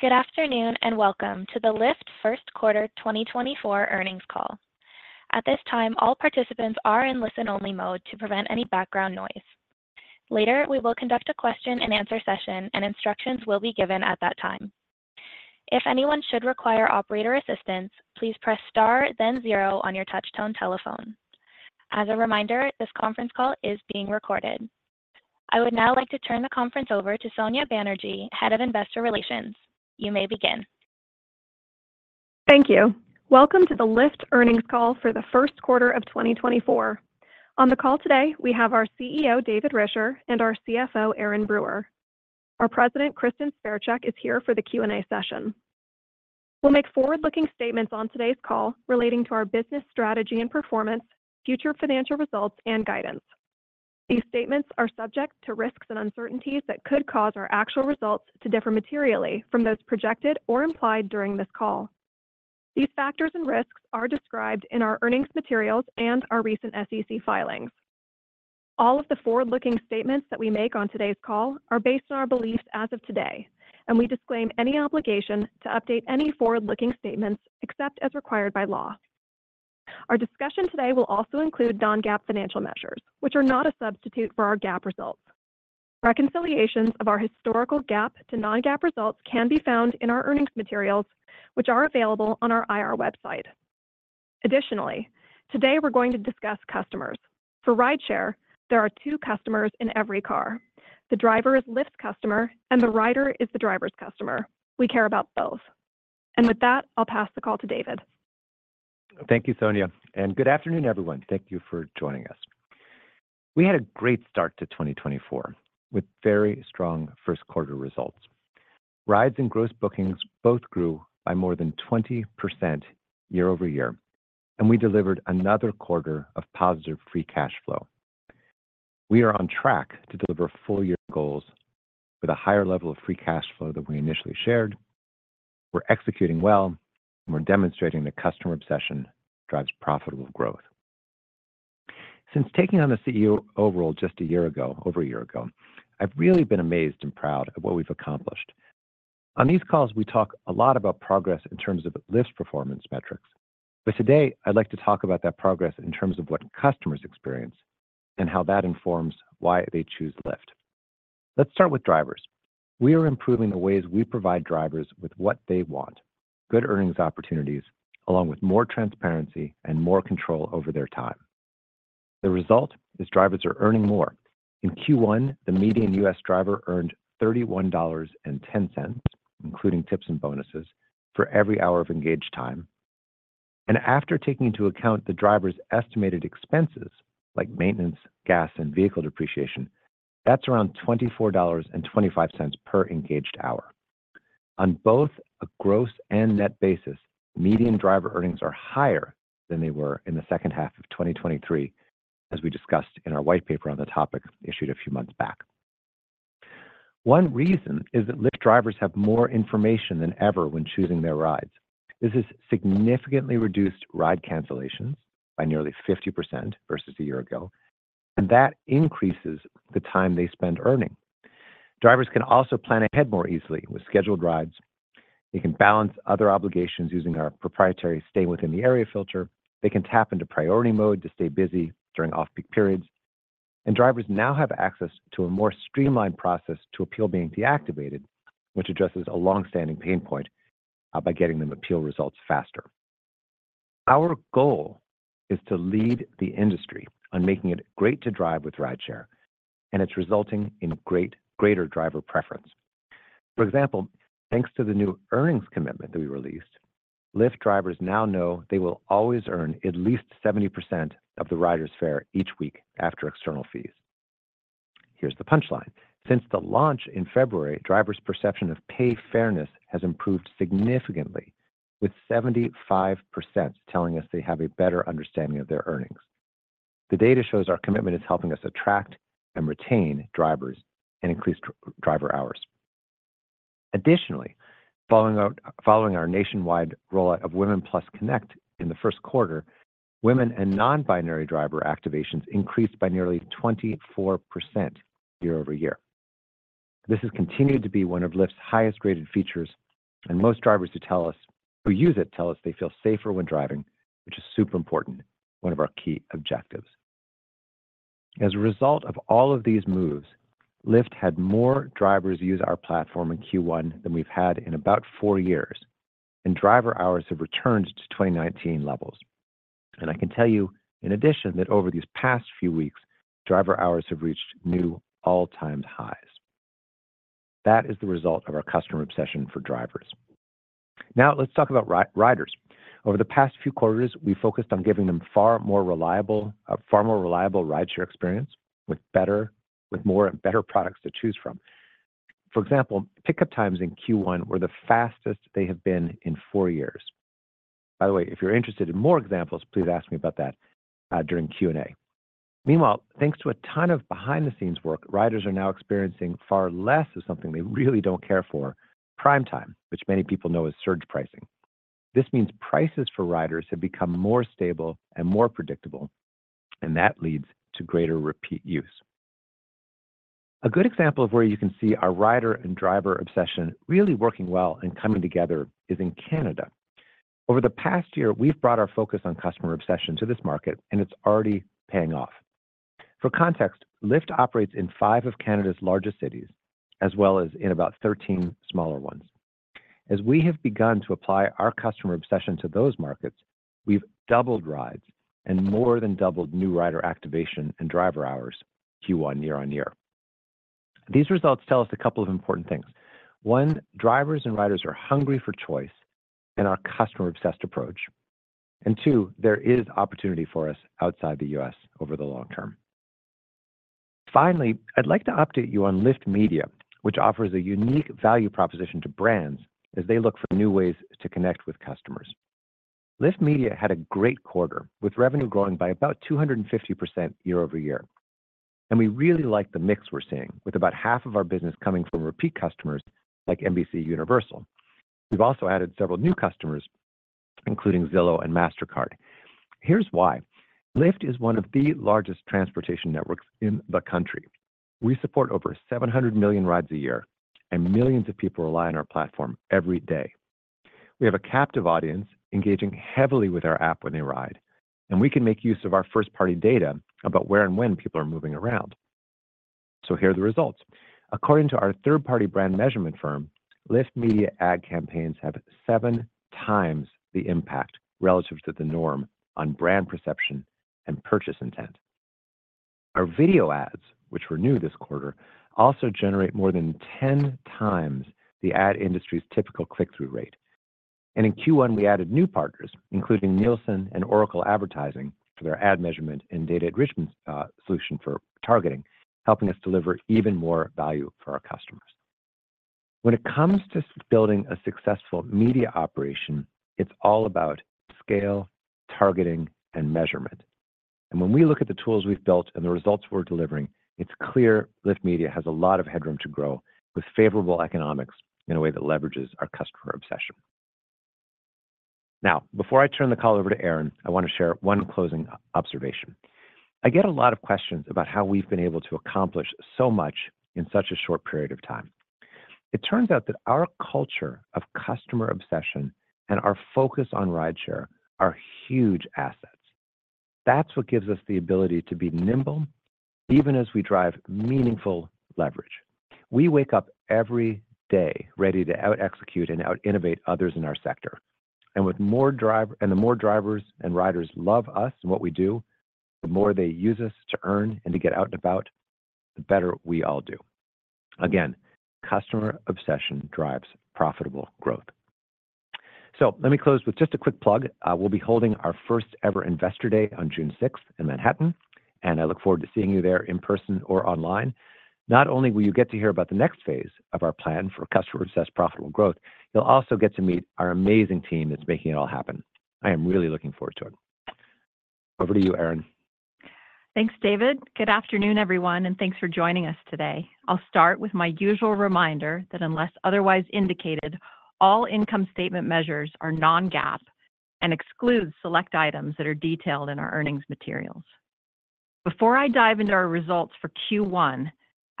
Good afternoon and welcome to the Lyft first quarter 2024 earnings call. At this time, all participants are in listen-only mode to prevent any background noise. Later, we will conduct a question-and-answer session, and instructions will be given at that time. If anyone should require operator assistance, please press star, then zero on your touch-tone telephone. As a reminder, this conference call is being recorded. I would now like to turn the conference over to Sonya Banerjee, head of investor relations. You may begin. Thank you. Welcome to the Lyft earnings call for the first quarter of 2024. On the call today, we have our CEO David Risher and our CFO Erin Brewer. Our president, Kristin Sverchek, is here for the Q&A session. We'll make forward-looking statements on today's call relating to our business strategy and performance, future financial results, and guidance. These statements are subject to risks and uncertainties that could cause our actual results to differ materially from those projected or implied during this call. These factors and risks are described in our earnings materials and our recent SEC filings. All of the forward-looking statements that we make on today's call are based on our beliefs as of today, and we disclaim any obligation to update any forward-looking statements except as required by law. Our discussion today will also include non-GAAP financial measures, which are not a substitute for our GAAP results. Reconciliations of our historical GAAP to non-GAAP results can be found in our earnings materials, which are available on our IR website. Additionally, today we're going to discuss customers. For Rideshare, there are two customers in every car. The driver is Lyft's customer, and the rider is the driver's customer. We care about both. With that, I'll pass the call to David. Thank you, Sonya. Good afternoon, everyone. Thank you for joining us. We had a great start to 2024 with very strong first quarter results. Rides and gross bookings both grew by more than 20% year-over-year, and we delivered another quarter of positive free cash flow. We are on track to deliver full-year goals with a higher level of free cash flow than we initially shared. We're executing well, and we're demonstrating that customer obsession drives profitable growth. Since taking on the CEO role just a year ago, over a year ago, I've really been amazed and proud of what we've accomplished. On these calls, we talk a lot about progress in terms of Lyft's performance metrics. But today, I'd like to talk about that progress in terms of what customers experience and how that informs why they choose Lyft. Let's start with drivers. We are improving the ways we provide drivers with what they want: good earnings opportunities, along with more transparency and more control over their time. The result is drivers are earning more. In Q1, the median U.S. driver earned $31.10, including tips and bonuses, for every hour of engaged time. After taking into account the driver's estimated expenses, like maintenance, gas, and vehicle depreciation, that's around $24.25 per engaged hour. On both a gross and net basis, median driver earnings are higher than they were in the second half of 2023, as we discussed in our white paper on the topic issued a few months back. One reason is that Lyft drivers have more information than ever when choosing their rides. This has significantly reduced ride cancellations by nearly 50% versus a year ago, and that increases the time they spend earning. Drivers can also plan ahead more easily with scheduled rides. They can balance other obligations using our proprietary Stay Within Area filter. They can tap into Priority Mode to stay busy during off-peak periods. Drivers now have access to a more streamlined process to appeal being deactivated, which addresses a longstanding pain point by getting them appeal results faster. Our goal is to lead the industry on making it great to drive with Rideshare, and it's resulting in greater driver preference. For example, thanks to the new Earnings Commitment that we released, Lyft drivers now know they will always earn at least 70% of the rider's fare each week after external fees. Here's the punchline. Since the launch in February, drivers' perception of pay fairness has improved significantly, with 75% telling us they have a better understanding of their earnings. The data shows our commitment is helping us attract and retain drivers and increase driver hours. Additionally, following our nationwide rollout of Women+ Connect in the first quarter, women and non-binary driver activations increased by nearly 24% year-over-year. This has continued to be one of Lyft's highest-rated features, and most drivers who tell us who use it tell us they feel safer when driving, which is super important, one of our key objectives. As a result of all of these moves, Lyft had more drivers use our platform in Q1 than we've had in about four years, and driver hours have returned to 2019 levels. And I can tell you, in addition, that over these past few weeks, driver hours have reached new all-time highs. That is the result of our customer obsession for drivers. Now, let's talk about riders. Over the past few quarters, we focused on giving them far more reliable rideshare experience with more and better products to choose from. For example, pickup times in Q1 were the fastest they have been in four years. By the way, if you're interested in more examples, please ask me about that during Q&A. Meanwhile, thanks to a ton of behind-the-scenes work, riders are now experiencing far less of something they really don't care for: Prime Time, which many people know as surge pricing. This means prices for riders have become more stable and more predictable, and that leads to greater repeat use. A good example of where you can see our rider and driver obsession really working well and coming together is in Canada. Over the past year, we've brought our focus on customer obsession to this market, and it's already paying off. For context, Lyft operates in five of Canada's largest cities, as well as in about 13 smaller ones. As we have begun to apply our customer obsession to those markets, we've doubled rides and more than doubled new rider activation and driver hours Q1 year-over-year. These results tell us a couple of important things. One, drivers and riders are hungry for choice in our customer-obsessed approach. And two, there is opportunity for us outside the US over the long term. Finally, I'd like to update you on Lyft Media, which offers a unique value proposition to brands as they look for new ways to connect with customers. Lyft Media had a great quarter, with revenue growing by about 250% year-over-year. We really like the mix we're seeing, with about half of our business coming from repeat customers like NBCUniversal. We've also added several new customers, including Zillow and Mastercard. Here's why. Lyft is one of the largest transportation networks in the country. We support over 700 million rides a year, and millions of people rely on our platform every day. We have a captive audience engaging heavily with our app when they ride, and we can make use of our first-party data about where and when people are moving around. Here are the results. According to our third-party brand measurement firm, Lyft Media ad campaigns have seven times the impact relative to the norm on brand perception and purchase intent. Our video ads, which were new this quarter, also generate more than 10 times the ad industry's typical click-through rate. In Q1, we added new partners, including Nielsen and Oracle Advertising, for their ad measurement and data enrichment solution for targeting, helping us deliver even more value for our customers. When it comes to building a successful media operation, it's all about scale, targeting, and measurement. When we look at the tools we've built and the results we're delivering, it's clear Lyft Media has a lot of headroom to grow with favorable economics in a way that leverages our customer obsession. Now, before I turn the call over to Erin, I want to share one closing observation. I get a lot of questions about how we've been able to accomplish so much in such a short period of time. It turns out that our culture of customer obsession and our focus on rideshare are huge assets. That's what gives us the ability to be nimble even as we drive meaningful leverage. We wake up every day ready to out-execute and out-innovate others in our sector. And with more drivers and riders love us and what we do, the more they use us to earn and to get out and about, the better we all do. Again, customer obsession drives profitable growth. So let me close with just a quick plug. We'll be holding our first-ever Investor Day on June 6th in Manhattan, and I look forward to seeing you there in person or online. Not only will you get to hear about the next phase of our plan for customer-obsessed profitable growth, you'll also get to meet our amazing team that's making it all happen. I am really looking forward to it. Over to you, Erin. Thanks, David. Good afternoon, everyone, and thanks for joining us today. I'll start with my usual reminder that unless otherwise indicated, all income statement measures are non-GAAP and exclude select items that are detailed in our earnings materials. Before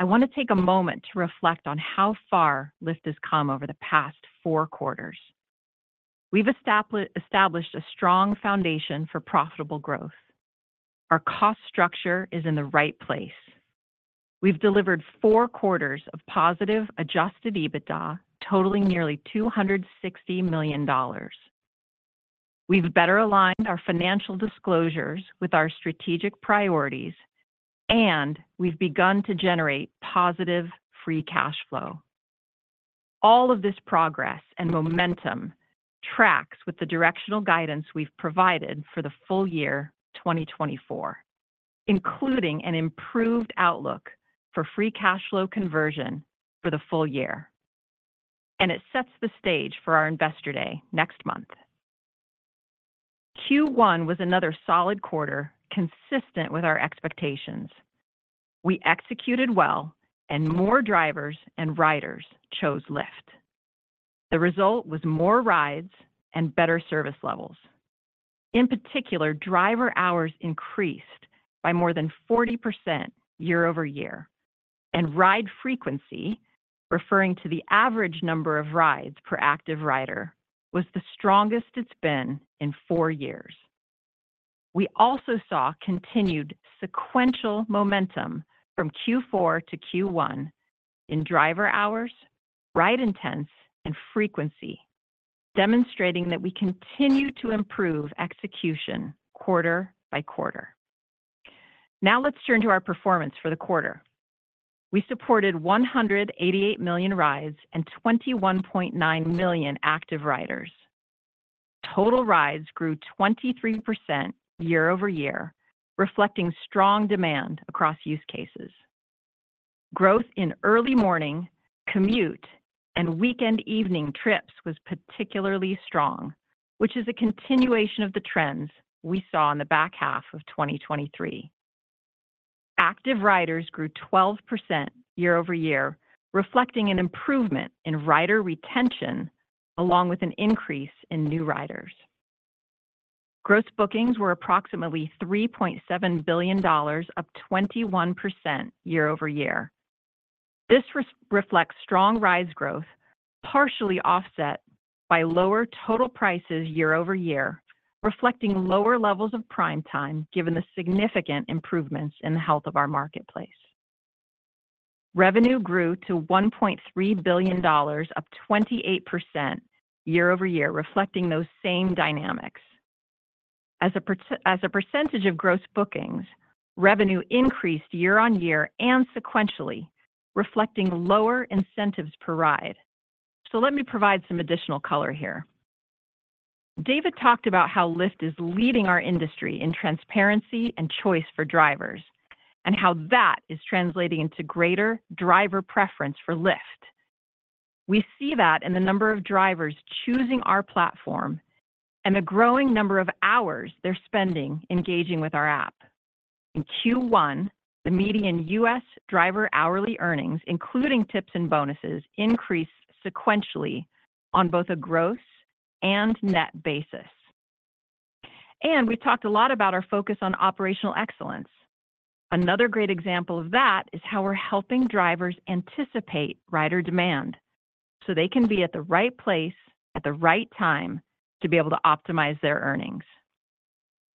I dive into our results for Q1, I want to take a moment to reflect on how far Lyft has come over the past four quarters. We've established a strong foundation for profitable growth. Our cost structure is in the right place. We've delivered four quarters of positive Adjusted EBITDA, totaling nearly $260 million. We've better aligned our financial disclosures with our strategic priorities, and we've begun to generate positive Free Cash Flow. All of this progress and momentum tracks with the directional guidance we've provided for the full year 2024, including an improved outlook for Free Cash Flow conversion for the full year. It sets the stage for our Investor Day next month. Q1 was another solid quarter consistent with our expectations. We executed well, and more drivers and riders chose Lyft. The result was more rides and better service levels. In particular, driver hours increased by more than 40% year-over-year, and ride frequency, referring to the average number of rides per active rider, was the strongest it's been in four years. We also saw continued sequential momentum from Q4 to Q1 in driver hours, ride intents, and frequency, demonstrating that we continue to improve execution quarter by quarter. Now let's turn to our performance for the quarter. We supported 188 million rides and 21.9 million active riders. Total rides grew 23% year-over-year, reflecting strong demand across use cases. Growth in early morning, commute, and weekend evening trips was particularly strong, which is a continuation of the trends we saw in the back half of 2023. Active riders grew 12% year-over-year, reflecting an improvement in rider retention along with an increase in new riders. Gross bookings were approximately $3.7 billion, up 21% year-over-year. This reflects strong rides growth, partially offset by lower total prices year-over-year, reflecting lower levels of Prime Time given the significant improvements in the health of our marketplace. Revenue grew to $1.3 billion, up 28% year-over-year, reflecting those same dynamics. As a percentage of gross bookings, revenue increased year-over-year and sequentially, reflecting lower incentives per ride. So let me provide some additional color here. David talked about how Lyft is leading our industry in transparency and choice for drivers, and how that is translating into greater driver preference for Lyft. We see that in the number of drivers choosing our platform and the growing number of hours they're spending engaging with our app. In Q1, the median U.S. driver hourly earnings, including tips and bonuses, increased sequentially on both a gross and net basis. We've talked a lot about our focus on operational excellence. Another great example of that is how we're helping drivers anticipate rider demand so they can be at the right place at the right time to be able to optimize their earnings.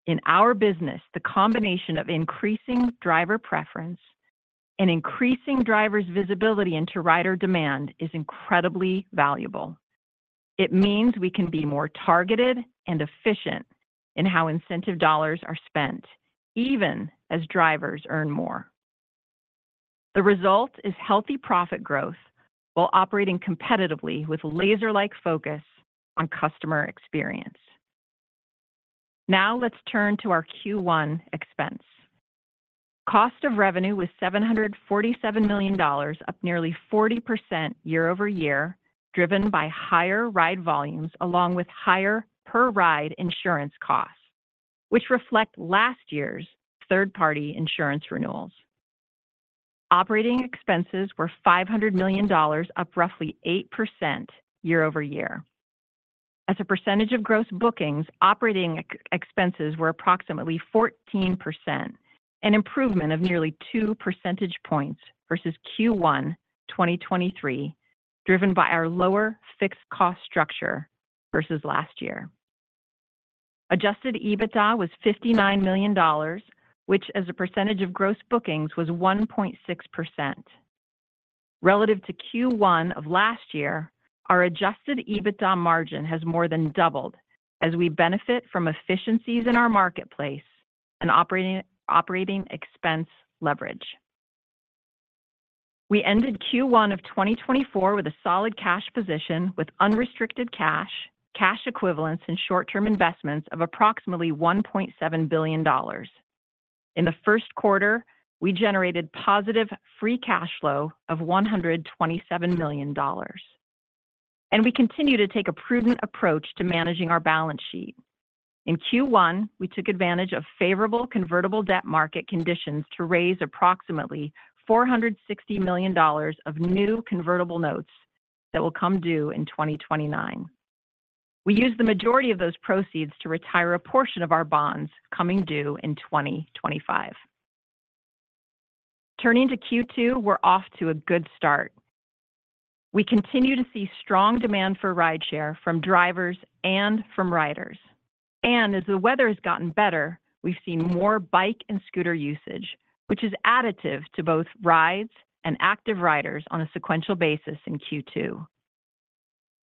In our business, the combination of increasing driver preference and increasing drivers' visibility into rider demand is incredibly valuable. It means we can be more targeted and efficient in how incentive dollars are spent, even as drivers earn more. The result is healthy profit growth while operating competitively with laser-like focus on customer experience. Now let's turn to our Q1 expense. Cost of revenue was $747 million, up nearly 40% year-over-year, driven by higher ride volumes along with higher per-ride insurance costs, which reflect last year's third-party insurance renewals. Operating expenses were $500 million, up roughly 8% year-over-year. As a percentage of gross bookings, operating expenses were approximately 14%, an improvement of nearly two percentage points versus Q1 2023, driven by our lower fixed cost structure versus last year. Adjusted EBITDA was $59 million, which as a percentage of gross bookings was 1.6%. Relative to Q1 of last year, our Adjusted EBITDA margin has more than doubled as we benefit from efficiencies in our marketplace and operating expense leverage. We ended Q1 of 2024 with a solid cash position with unrestricted cash, cash equivalents, and short-term investments of approximately $1.7 billion. In the first quarter, we generated positive free cash flow of $127 million. We continue to take a prudent approach to managing our balance sheet. In Q1, we took advantage of favorable convertible debt market conditions to raise approximately $460 million of new convertible notes that will come due in 2029. We used the majority of those proceeds to retire a portion of our bonds coming due in 2025. Turning to Q2, we're off to a good start. We continue to see strong demand for rideshare from drivers and from riders. As the weather has gotten better, we've seen more bike and scooter usage, which is additive to both rides and active riders on a sequential basis in Q2.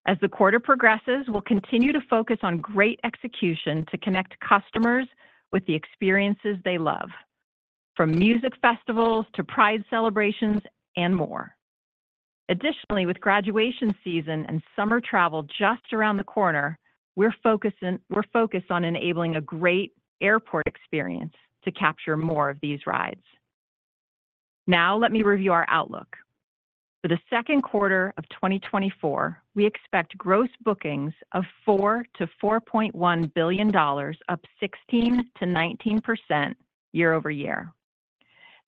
As the quarter progresses, we'll continue to focus on great execution to connect customers with the experiences they love, from music festivals to pride celebrations and more. Additionally, with graduation season and summer travel just around the corner, we're focused on enabling a great airport experience to capture more of these rides. Now let me review our outlook. For the second quarter of 2024, we expect gross bookings of $4-$4.1 billion, up 16%-19% year-over-year.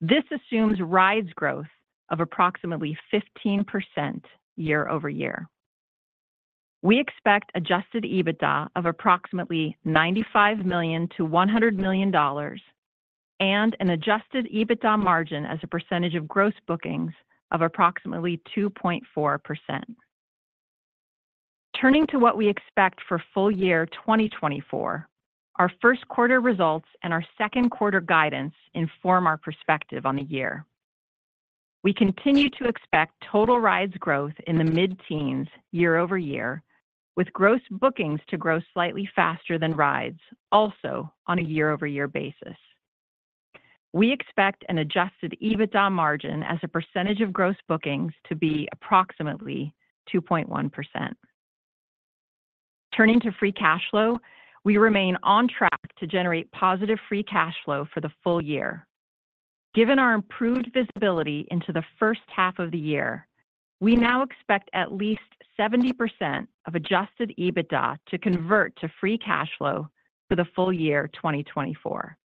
This assumes rides growth of approximately 15% year-over-year. We expect Adjusted EBITDA of approximately $95 million-$100 million, and an Adjusted EBITDA margin as a percentage of gross bookings of approximately 2.4%. Turning to what we expect for full year 2024, our first quarter results and our second quarter guidance inform our perspective on the year. We continue to expect total rides growth in the mid-teens year-over-year, with gross bookings to grow slightly faster than rides, also on a year-over-year basis. We expect an Adjusted EBITDA margin as a percentage of gross bookings to be approximately 2.1%. Turning to free cash flow, we remain on track to generate positive free cash flow for the full year. Given our improved visibility into the first half of the year, we now expect at least 70% of Adjusted EBITDA to convert to free cash flow for the full year 2024.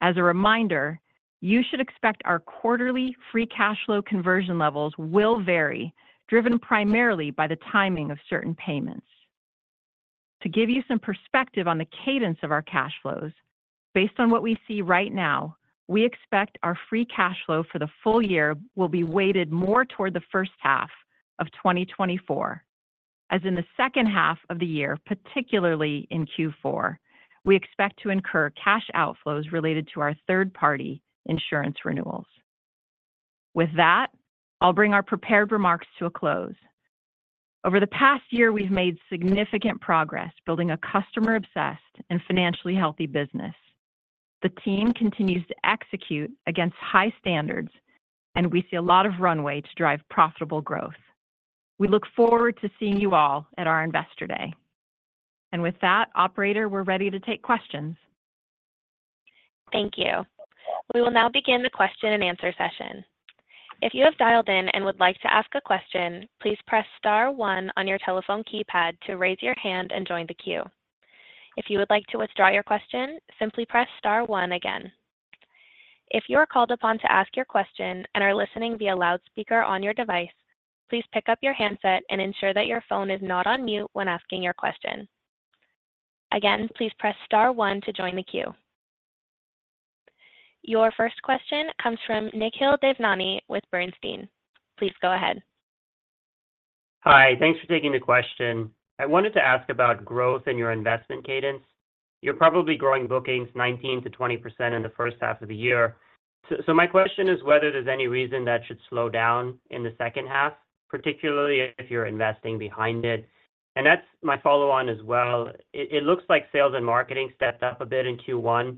As a reminder, you should expect our quarterly free cash flow conversion levels will vary, driven primarily by the timing of certain payments. To give you some perspective on the cadence of our cash flows, based on what we see right now, we expect our Free Cash Flow for the full year will be weighted more toward the first half of 2024. As in the second half of the year, particularly in Q4, we expect to incur cash outflows related to our third-party insurance renewals. With that, I'll bring our prepared remarks to a close. Over the past year, we've made significant progress building a customer-obsessed and financially healthy business. The team continues to execute against high standards, and we see a lot of runway to drive profitable growth. We look forward to seeing you all at our Investor Day. And with that, operator, we're ready to take questions. Thank you. We will now begin the question and answer session. If you have dialed in and would like to ask a question, please press star 1 on your telephone keypad to raise your hand and join the queue. If you would like to withdraw your question, simply press star 1 again. If you are called upon to ask your question and are listening via loudspeaker on your device, please pick up your handset and ensure that your phone is not on mute when asking your question. Again, please press star 1 to join the queue. Your first question comes from Nikhil Devnani with Bernstein. Please go ahead. Hi. Thanks for taking the question. I wanted to ask about growth in your investment cadence. You're probably growing bookings 19%-20% in the first half of the year. So my question is whether there's any reason that should slow down in the second half, particularly if you're investing behind it. And that's my follow-on as well. It looks like sales and marketing stepped up a bit in Q1.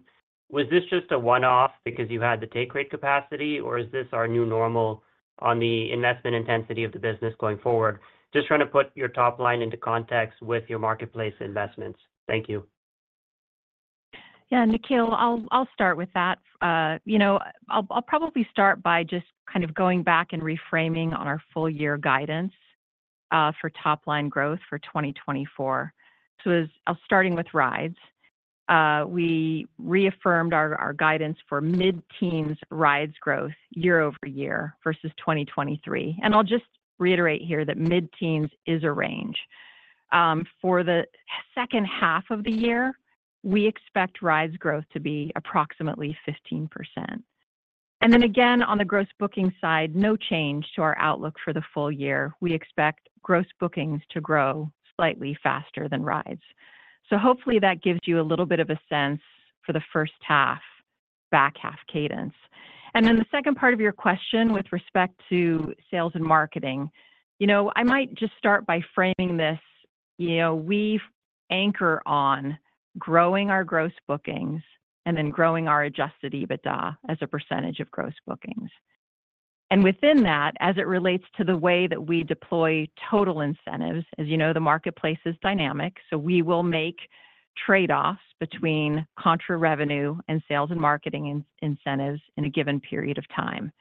Was this just a one-off because you had the take-rate capacity, or is this our new normal on the investment intensity of the business going forward? Just trying to put your top line into context with your marketplace investments. Thank you. Yeah, Nikhil, I'll start with that. I'll probably start by just kind of going back and reframing on our full-year guidance for top line growth for 2024. So I'll start with rides. We reaffirmed our guidance for mid-teens rides growth year-over-year versus 2023. And I'll just reiterate here that mid-teens is a range. For the second half of the year, we expect rides growth to be approximately 15%. And then again, on the gross booking side, no change to our outlook for the full year. We expect gross bookings to grow slightly faster than rides. So hopefully that gives you a little bit of a sense for the first half back half cadence. And then the second part of your question with respect to sales and marketing, I might just start by framing this. We anchor on growing our Gross Bookings and then growing our Adjusted EBITDA as a percentage of Gross Bookings. Within that, as it relates to the way that we deploy total incentives, as you know, the marketplace is dynamic, so we will make trade-offs between contra-revenue and sales and marketing incentives in a given period of time.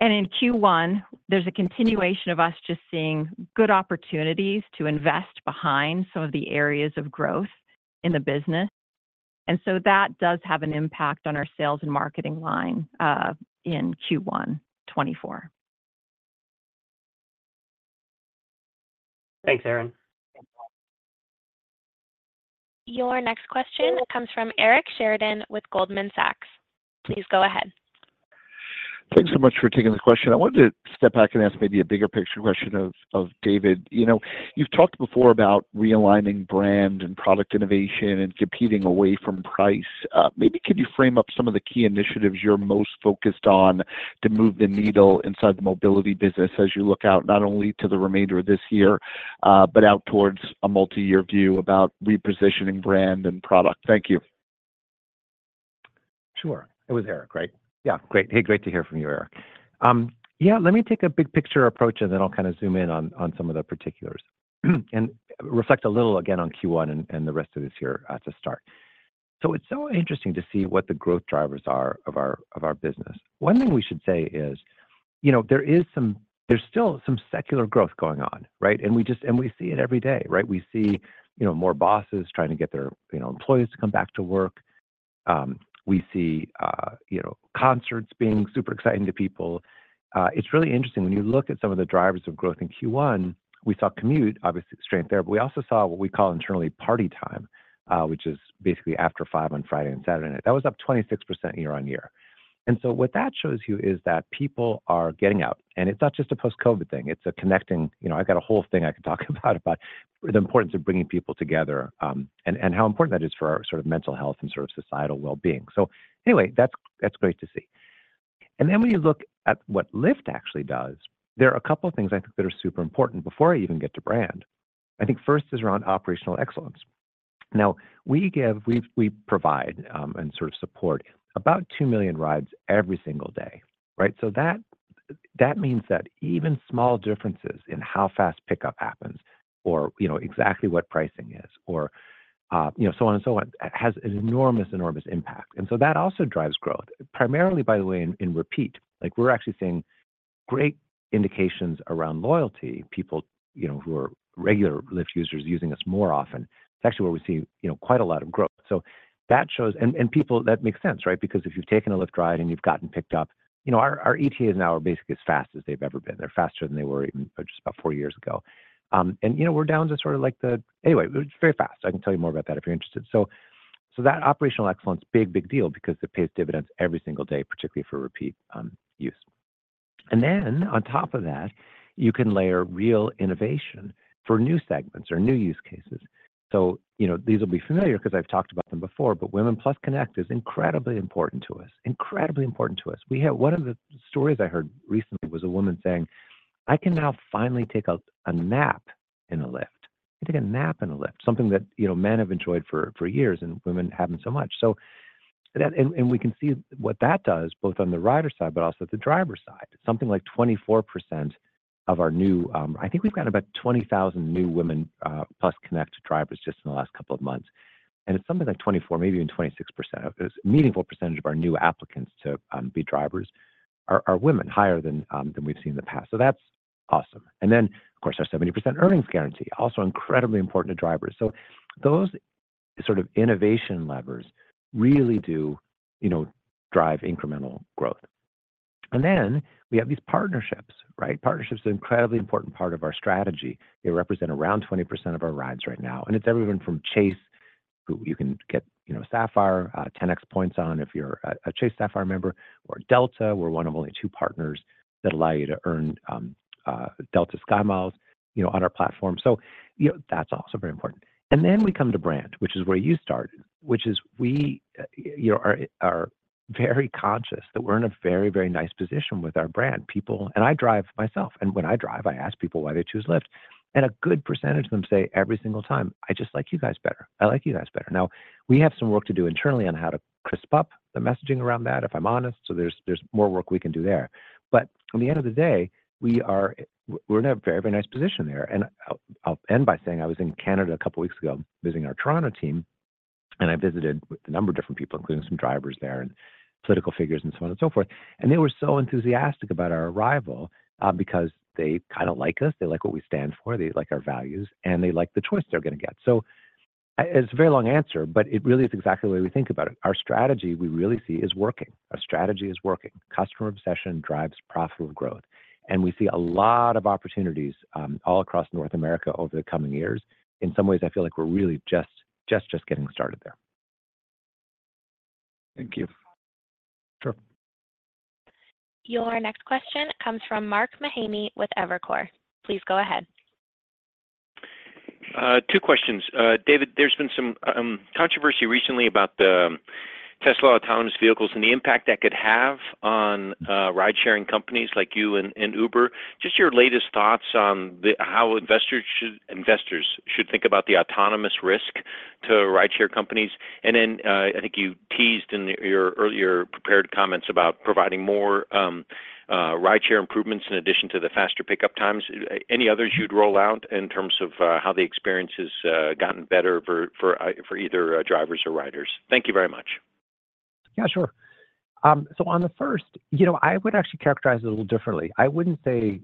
In Q1, there's a continuation of us just seeing good opportunities to invest behind some of the areas of growth in the business. So that does have an impact on our sales and marketing line in Q1 2024. Thanks, Erin. Your next question comes from Eric Sheridan with Goldman Sachs. Please go ahead. Thanks so much for taking the question. I wanted to step back and ask maybe a bigger picture question of David. You've talked before about realigning brand and product innovation and competing away from price. Maybe could you frame up some of the key initiatives you're most focused on to move the needle inside the mobility business as you look out not only to the remainder of this year, but out towards a multi-year view about repositioning brand and product? Thank you. Sure. It was Eric, right? Yeah. Great. Hey, great to hear from you, Eric. Yeah, let me take a big picture approach, and then I'll kind of zoom in on some of the particulars and reflect a little, again, on Q1 and the rest of this year to start. So it's so interesting to see what the growth drivers are of our business. One thing we should say is there is still some secular growth going on, right? And we see it every day, right? We see more bosses trying to get their employees to come back to work. We see concerts being super exciting to people. It's really interesting. When you look at some of the drivers of growth in Q1, we saw commute, obviously, straight there, but we also saw what we call internally party time, which is basically after 5:00 P.M. on Friday and Saturday night. That was up 26% year-over-year. So what that shows you is that people are getting out. And it's not just a post-COVID thing. It's a connecting I've got a whole thing I could talk about, about the importance of bringing people together and how important that is for our sort of mental health and sort of societal well-being. So anyway, that's great to see. And then when you look at what Lyft actually does, there are a couple of things I think that are super important before I even get to brand. I think first is around operational excellence. Now, we provide and sort of support about 2 million rides every single day, right? So that means that even small differences in how fast pickup happens or exactly what pricing is or so on and so on has an enormous, enormous impact. And so that also drives growth, primarily, by the way, in repeat. We're actually seeing great indications around loyalty. People who are regular Lyft users using us more often, it's actually where we see quite a lot of growth. So that shows and that makes sense, right? Because if you've taken a Lyft ride and you've gotten picked up, our ETAs now are basically as fast as they've ever been. They're faster than they were even just about four years ago. And we're down to sort of the anyway, it's very fast. I can tell you more about that if you're interested. So that operational excellence, big, big deal because it pays dividends every single day, particularly for repeat use. And then on top of that, you can layer real innovation for new segments or new use cases. So these will be familiar because I've talked about them before, but Women+ Connect is incredibly important to us, incredibly important to us. One of the stories I heard recently was a woman saying, "I can now finally take a nap in a Lyft." I can take a nap in a Lyft, something that men have enjoyed for years and women haven't so much. And we can see what that does both on the rider side, but also at the driver side. Something like 24% of our new I think we've got about 20,000 new Women+ Connect drivers just in the last couple of months. And it's something like 24, maybe even 26%. A meaningful percentage of our new applicants to be drivers are women, higher than we've seen in the past. So that's awesome. And then, of course, our 70% Earnings Guarantee, also incredibly important to drivers. So those sort of innovation levers really do drive incremental growth. And then we have these partnerships, right? Partnerships are an incredibly important part of our strategy. They represent around 20% of our rides right now. And it's everyone from Chase, who you can get Sapphire 10x points on if you're a Chase Sapphire member, or Delta. We're one of only two partners that allow you to earn Delta SkyMiles on our platform. So that's also very important. And then we come to brand, which is where you started, which is we are very conscious that we're in a very, very nice position with our brand. And I drive myself. And when I drive, I ask people why they choose Lyft. And a good percentage of them say every single time, "I just like you guys better. I like you guys better." Now, we have some work to do internally on how to crisp up the messaging around that, if I'm honest. So there's more work we can do there. But at the end of the day, we're in a very, very nice position there. And I'll end by saying I was in Canada a couple of weeks ago visiting our Toronto team. And I visited with a number of different people, including some drivers there and political figures and so on and so forth. And they were so enthusiastic about our arrival because they kind of like us. They like what we stand for. They like our values. And they like the choice they're going to get. So it's a very long answer, but it really is exactly the way we think about it. Our strategy, we really see, is working. Our strategy is working. Customer obsession drives profitable growth. We see a lot of opportunities all across North America over the coming years. In some ways, I feel like we're really just getting started there. Thank you. Sure. Your next question comes from Mark Mahaney with Evercore ISI. Please go ahead. Two questions. David, there's been some controversy recently about the Tesla autonomous vehicles and the impact that could have on ridesharing companies like you and Uber. Just your latest thoughts on how investors should think about the autonomous risk to rideshare companies. And then I think you teased in your earlier prepared comments about providing more rideshare improvements in addition to the faster pickup times. Any others you'd roll out in terms of how the experience has gotten better for either drivers or riders? Thank you very much. Yeah, sure. So on the first, I would actually characterize it a little differently. I wouldn't say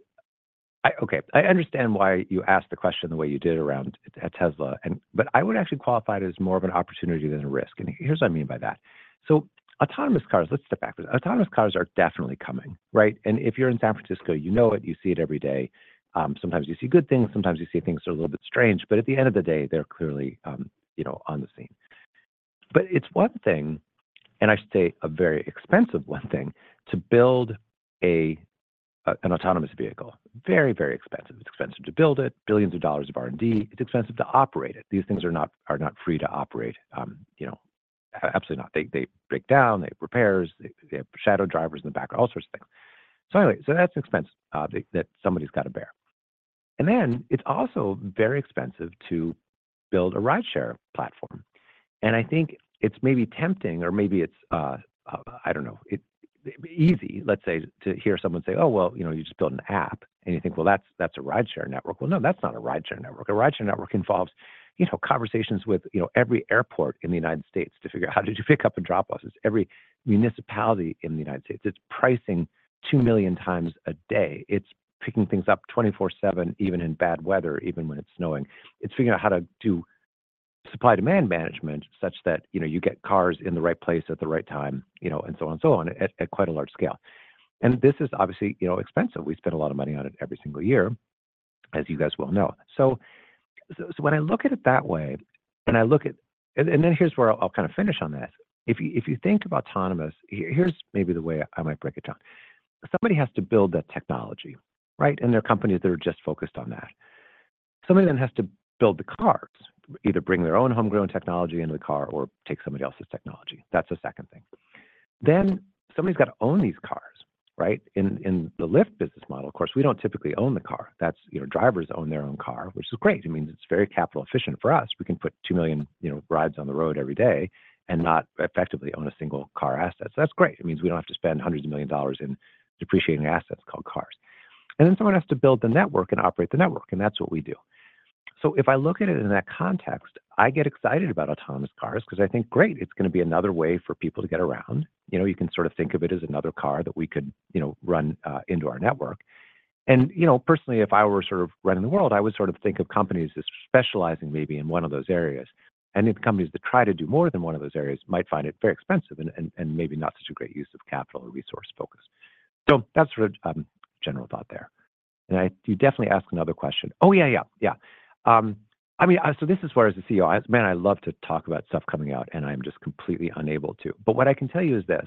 okay, I understand why you asked the question the way you did around Tesla. But I would actually qualify it as more of an opportunity than a risk. And here's what I mean by that. So autonomous cars, let's step back. Autonomous cars are definitely coming, right? And if you're in San Francisco, you know it. You see it every day. Sometimes you see good things. Sometimes you see things that are a little bit strange. But at the end of the day, they're clearly on the scene. But it's one thing, and I should say a very expensive one thing, to build an autonomous vehicle. Very, very expensive. It's expensive to build it. Billions of dollars of R&D. It's expensive to operate it. These things are not free to operate. Absolutely not. They break down. They have repairs. They have shadow drivers in the background, all sorts of things. So anyway, so that's an expense that somebody's got to bear. And then it's also very expensive to build a rideshare platform. And I think it's maybe tempting, or maybe it's, I don't know, easy, let's say, to hear someone say, "Oh, well, you just built an app." And you think, "Well, that's a rideshare network." Well, no, that's not a rideshare network. A rideshare network involves conversations with every airport in the United States to figure out how to do pickup and drop-offs. It's every municipality in the United States. It's pricing 2 million times a day. It's picking things up 24/7, even in bad weather, even when it's snowing. It's figuring out how to do supply-demand management such that you get cars in the right place at the right time and so on and so on at quite a large scale. This is obviously expensive. We spend a lot of money on it every single year, as you guys well know. When I look at it that way and then here's where I'll kind of finish on this. If you think of autonomous, here's maybe the way I might break it down. Somebody has to build that technology, right? There are companies that are just focused on that. Somebody then has to build the cars, either bring their own homegrown technology into the car or take somebody else's technology. That's a second thing. Then somebody's got to own these cars, right? In the Lyft business model, of course, we don't typically own the car. Drivers own their own car, which is great. It means it's very capital-efficient for us. We can put two million rides on the road every day and not effectively own a single car asset. So that's great. It means we don't have to spend $ hundreds of millions in depreciating assets called cars. And then someone has to build the network and operate the network. And that's what we do. So if I look at it in that context, I get excited about autonomous cars because I think, "Great, it's going to be another way for people to get around." You can sort of think of it as another car that we could run into our network. Personally, if I were sort of running the world, I would sort of think of companies that are specializing maybe in one of those areas. The companies that try to do more than one of those areas might find it very expensive and maybe not such a great use of capital or resource focus. That's sort of a general thought there. You definitely ask another question. Oh, yeah, yeah, yeah. I mean, this is where as a CEO, man, I love to talk about stuff coming out, and I am just completely unable to. What I can tell you is this.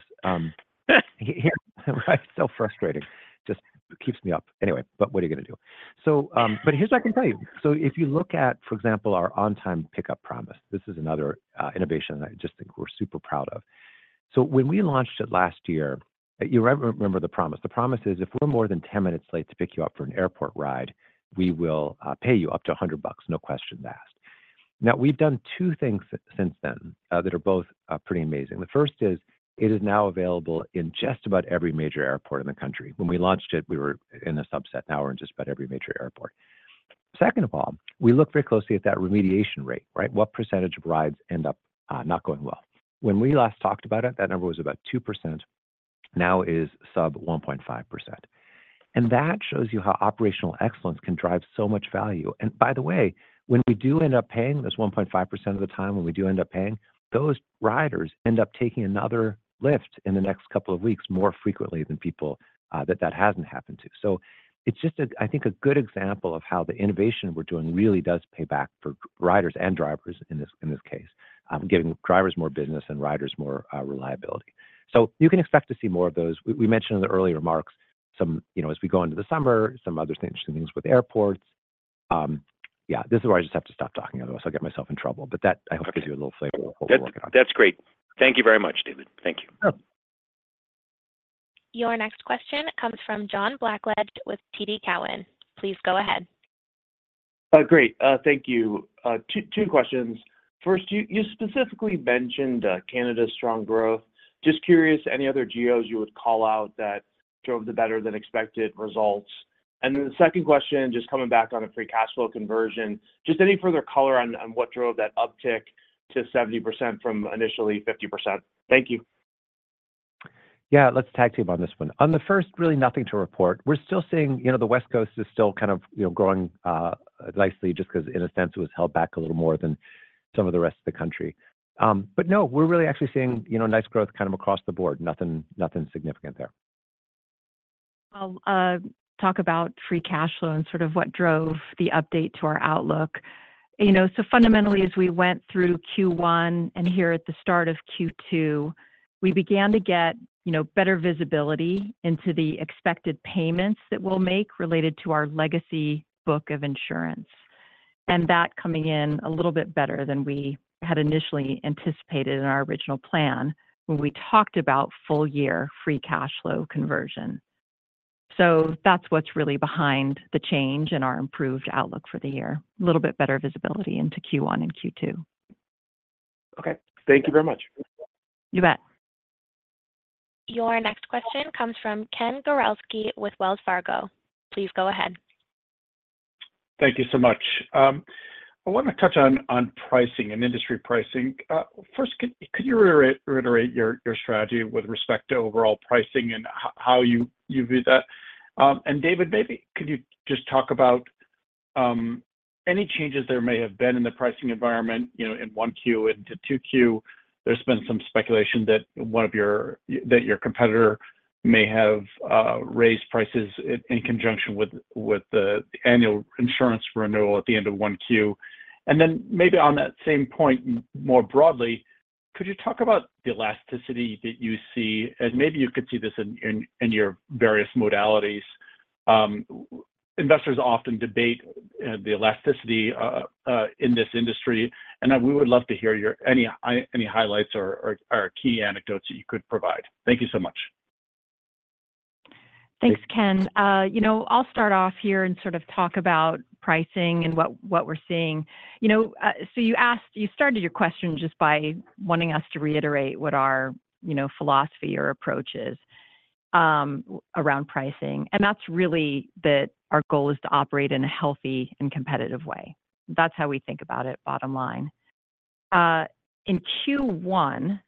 It's so frustrating. Just keeps me up. Anyway, what are you going to do? Here's what I can tell you. So if you look at, for example, our on-time pickup promise, this is another innovation that I just think we're super proud of. So when we launched it last year, you remember the promise. The promise is if we're more than 10 minutes late to pick you up for an airport ride, we will pay you up to $100, no questions asked. Now, we've done two things since then that are both pretty amazing. The first is it is now available in just about every major airport in the country. When we launched it, we were in a subset. Now we're in just about every major airport. Second of all, we look very closely at that remediation rate, right? What percentage of rides end up not going well? When we last talked about it, that number was about 2%. Now it is sub 1.5%. And that shows you how operational excellence can drive so much value. And by the way, when we do end up paying this 1.5% of the time, when we do end up paying, those riders end up taking another Lyft in the next couple of weeks more frequently than people that that hasn't happened to. So it's just, I think, a good example of how the innovation we're doing really does pay back for riders and drivers in this case, giving drivers more business and riders more reliability. So you can expect to see more of those. We mentioned in the earlier remarks, as we go into the summer, some other interesting things with airports. Yeah, this is where I just have to stop talking. Otherwise, I'll get myself in trouble. But that, I hope, gives you a little flavor of what we're working on. That's great. Thank you very much, David. Thank you. Your next question comes from John Blackledge with TD Cowen. Please go ahead. Great. Thank you. Two questions. First, you specifically mentioned Canada's strong growth. Just curious, any other GOs you would call out that drove the better-than-expected results? And then the second question, just coming back on a free cash flow conversion, just any further color on what drove that uptick to 70% from initially 50%? Thank you. Yeah, let's tag team on this one. On the first, really nothing to report. We're still seeing the West Coast is still kind of growing nicely just because, in a sense, it was held back a little more than some of the rest of the country. But no, we're really actually seeing nice growth kind of across the board. Nothing significant there. I'll talk about free cash flow and sort of what drove the update to our outlook. Fundamentally, as we went through Q1 and here at the start of Q2, we began to get better visibility into the expected payments that we'll make related to our legacy book of insurance. That coming in a little bit better than we had initially anticipated in our original plan when we talked about full-year free cash flow conversion. That's what's really behind the change in our improved outlook for the year, a little bit better visibility into Q1 and Q2. Okay. Thank you very much. You bet. Your next question comes from Ken Gawrelski with Wells Fargo. Please go ahead. Thank you so much. I want to touch on pricing and industry pricing. First, could you reiterate your strategy with respect to overall pricing and how you view that? And David, maybe could you just talk about any changes there may have been in the pricing environment in 1Q into 2Q? There's been some speculation that one of your competitors may have raised prices in conjunction with the annual insurance renewal at the end of 1Q. And then maybe on that same point, more broadly, could you talk about the elasticity that you see? And maybe you could see this in your various modalities. Investors often debate the elasticity in this industry. And we would love to hear any highlights or key anecdotes that you could provide. Thank you so much. Thanks, Ken. I'll start off here and sort of talk about pricing and what we're seeing. So you started your question just by wanting us to reiterate what our philosophy or approach is around pricing. And that's really that our goal is to operate in a healthy and competitive way. That's how we think about it, bottom line. In Q1,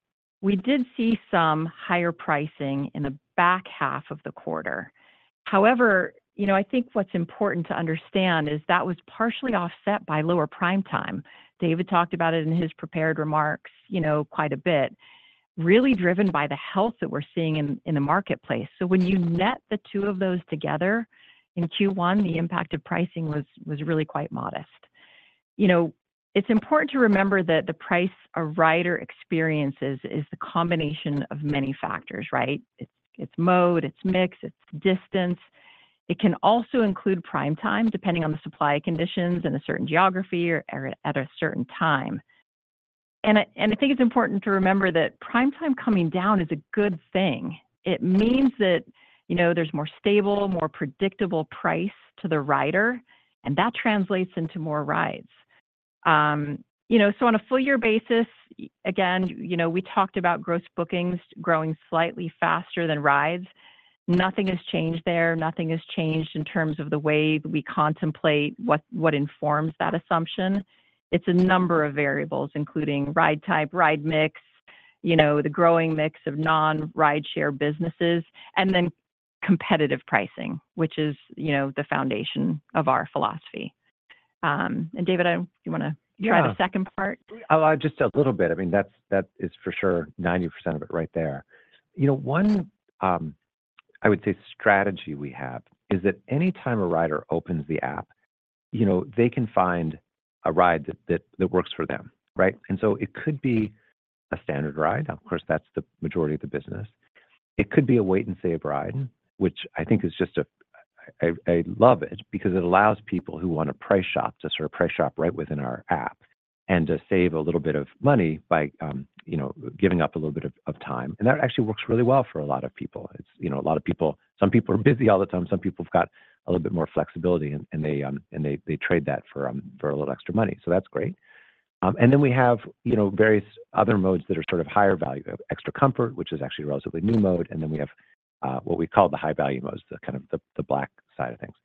we did see some higher pricing in the back half of the quarter. However, I think what's important to understand is that was partially offset by lower prime time. David talked about it in his prepared remarks quite a bit, really driven by the health that we're seeing in the marketplace. So when you net the two of those together in Q1, the impact of pricing was really quite modest. It's important to remember that the price a rider experiences is the combination of many factors, right? It's mode. It's mix. It's distance. It can also include prime time, depending on the supply conditions in a certain geography or at a certain time. And I think it's important to remember that prime time coming down is a good thing. It means that there's more stable, more predictable price to the rider, and that translates into more rides. So on a full-year basis, again, we talked about gross bookings growing slightly faster than rides. Nothing has changed there. Nothing has changed in terms of the way we contemplate what informs that assumption. It's a number of variables, including ride type, ride mix, the growing mix of non-rideshare businesses, and then competitive pricing, which is the foundation of our philosophy. And David, do you want to try the second part? Oh, just a little bit. I mean, that is for sure 90% of it right there. One, I would say, strategy we have is that anytime a rider opens the app, they can find a ride that works for them, right? And so it could be a standard ride. Of course, that's the majority of the business. It could be a Wait & Save ride, which I think is just, I love it because it allows people who want to price shop to sort of price shop right within our app and to save a little bit of money by giving up a little bit of time. And that actually works really well for a lot of people. A lot of people, some people are busy all the time. Some people have got a little bit more flexibility, and they trade that for a little extra money. So that's great. Then we have various other modes that are sort of higher value, Extra Comfort, which is actually a relatively new mode. Then we have what we call the high-value modes, kind of the Black side of things.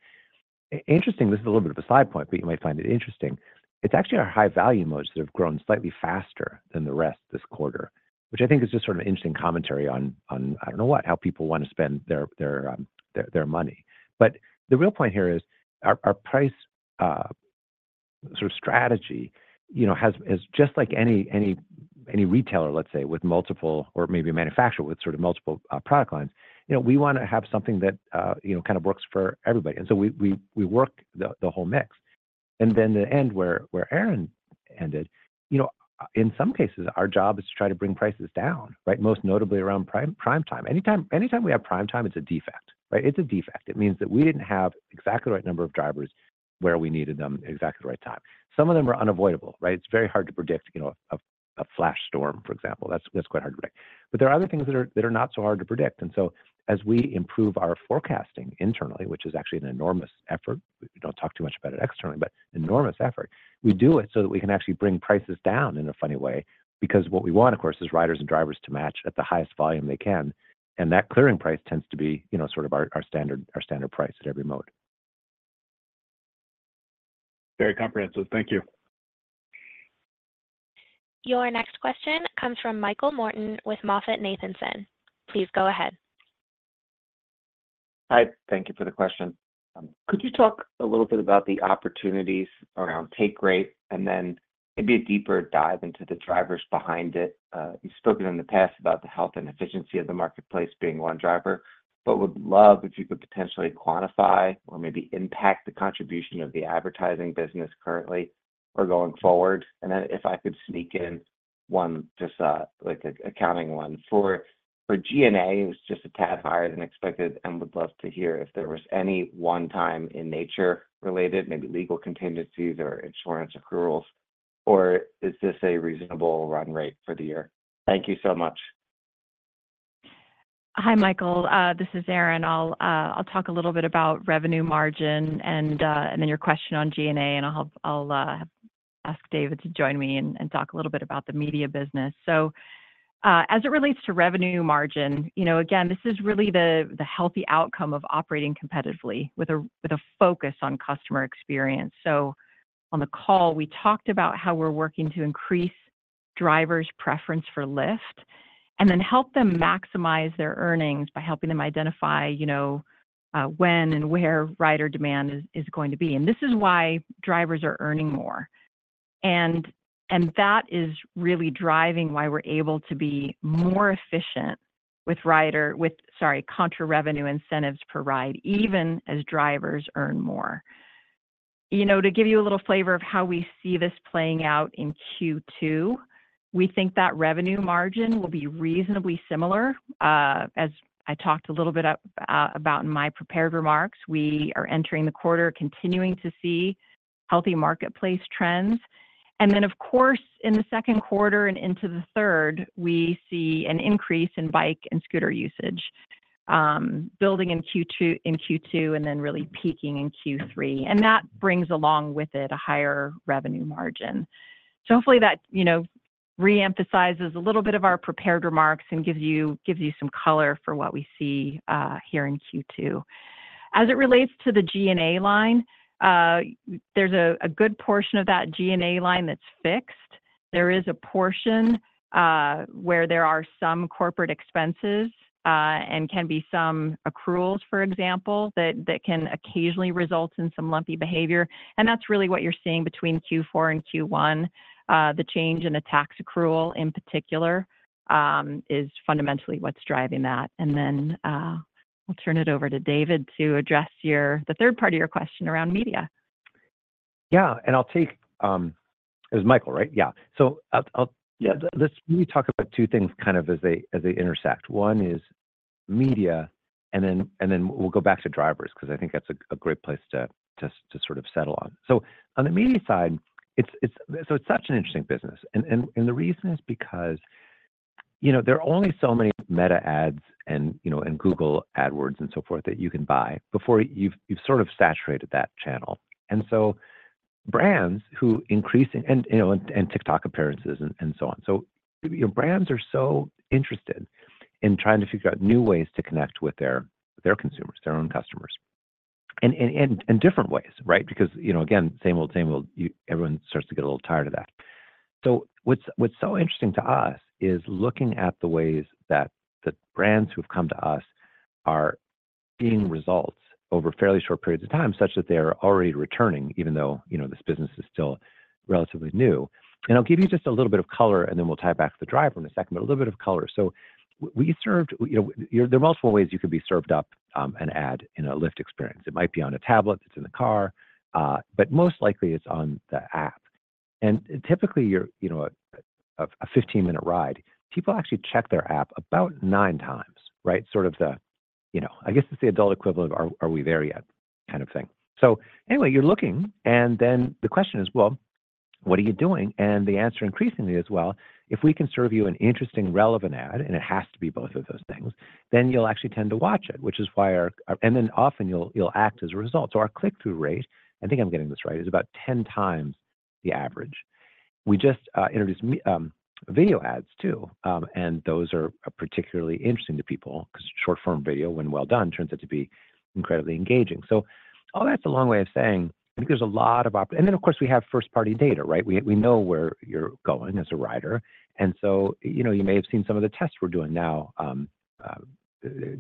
Interesting, this is a little bit of a side point, but you might find it interesting. It's actually our high-value modes that have grown slightly faster than the rest this quarter, which I think is just sort of an interesting commentary on, I don't know what, how people want to spend their money. But the real point here is our price sort of strategy has just like any retailer, let's say, with multiple or maybe a manufacturer with sort of multiple product lines, we want to have something that kind of works for everybody. And so we work the whole mix. And then the end where Erin ended, in some cases, our job is to try to bring prices down, right? Most notably around Prime Time. Anytime we have Prime Time, it's a defect, right? It's a defect. It means that we didn't have exactly the right number of drivers where we needed them exactly at the right time. Some of them are unavoidable, right? It's very hard to predict a flash storm, for example. That's quite hard to predict. But there are other things that are not so hard to predict. And so as we improve our forecasting internally, which is actually an enormous effort, we don't talk too much about it externally, but enormous effort, we do it so that we can actually bring prices down in a funny way because what we want, of course, is riders and drivers to match at the highest volume they can. That clearing price tends to be sort of our standard price at every mode. Very comprehensive. Thank you. Your next question comes from Michael Morton with Moffett Nathanson. Please go ahead. Hi. Thank you for the question. Could you talk a little bit about the opportunities around take rate and then maybe a deeper dive into the drivers behind it? You've spoken in the past about the health and efficiency of the marketplace being one driver, but would love if you could potentially quantify or maybe impact the contribution of the advertising business currently or going forward. And then if I could sneak in one, just like an accounting one. For G&A, it was just a tad higher than expected and would love to hear if there was any one-time in nature related, maybe legal contingencies or insurance accruals, or is this a reasonable run rate for the year? Thank you so much. Hi, Michael. This is Erin. I'll talk a little bit about revenue margin and then your question on G&A, and I'll ask David to join me and talk a little bit about the media business. So as it relates to revenue margin, again, this is really the healthy outcome of operating competitively with a focus on customer experience. So on the call, we talked about how we're working to increase drivers' preference for Lyft and then help them maximize their earnings by helping them identify when and where rider demand is going to be. And this is why drivers are earning more. And that is really driving why we're able to be more efficient with, sorry, contra-revenue incentives per ride, even as drivers earn more. To give you a little flavor of how we see this playing out in Q2, we think that revenue margin will be reasonably similar. As I talked a little bit about in my prepared remarks, we are entering the quarter, continuing to see healthy marketplace trends. And then, of course, in the second quarter and into the third, we see an increase in bike and scooter usage, building in Q2 and then really peaking in Q3. And that brings along with it a higher revenue margin. So hopefully, that reemphasizes a little bit of our prepared remarks and gives you some color for what we see here in Q2. As it relates to the G&A line, there's a good portion of that G&A line that's fixed. There is a portion where there are some corporate expenses and can be some accruals, for example, that can occasionally result in some lumpy behavior. And that's really what you're seeing between Q4 and Q1. The change in the tax accrual in particular is fundamentally what's driving that. And then I'll turn it over to David to address the third part of your question around media. Yeah. And I'll take it was Michael, right? Yeah. So let's maybe talk about two things kind of as they intersect. One is media, and then we'll go back to drivers because I think that's a great place to sort of settle on. So on the media side, so it's such an interesting business. And the reason is because there are only so many Meta ads and Google AdWords and so forth that you can buy before you've sort of saturated that channel. And so brands who increase and TikTok appearances and so on. So brands are so interested in trying to figure out new ways to connect with their consumers, their own customers, in different ways, right? Because, again, same old, same old, everyone starts to get a little tired of that. So what's so interesting to us is looking at the ways that the brands who have come to us are seeing results over fairly short periods of time such that they are already returning, even though this business is still relatively new. And I'll give you just a little bit of color, and then we'll tie back to the driver in a second, but a little bit of color. So there are multiple ways you could be served up an ad in a Lyft experience. It might be on a tablet. It's in the car. But most likely, it's on the app. And typically, a 15-minute ride, people actually check their app about nine times, right? Sort of the, I guess, it's the adult equivalent of, "Are we there yet?" kind of thing. So anyway, you're looking. And then the question is, "Well, what are you doing?" And the answer increasingly is, "Well, if we can serve you an interesting, relevant ad," and it has to be both of those things, "then you'll actually tend to watch it," which is why our and then often, you'll act as a result. So our click-through rate, I think I'm getting this right, is about 10 times the average. We just introduced video ads, too. And those are particularly interesting to people because short-form video, when well done, turns out to be incredibly engaging. So all that's a long way of saying I think there's a lot of and then, of course, we have first-party data, right? We know where you're going as a rider. So you may have seen some of the tests we're doing now, a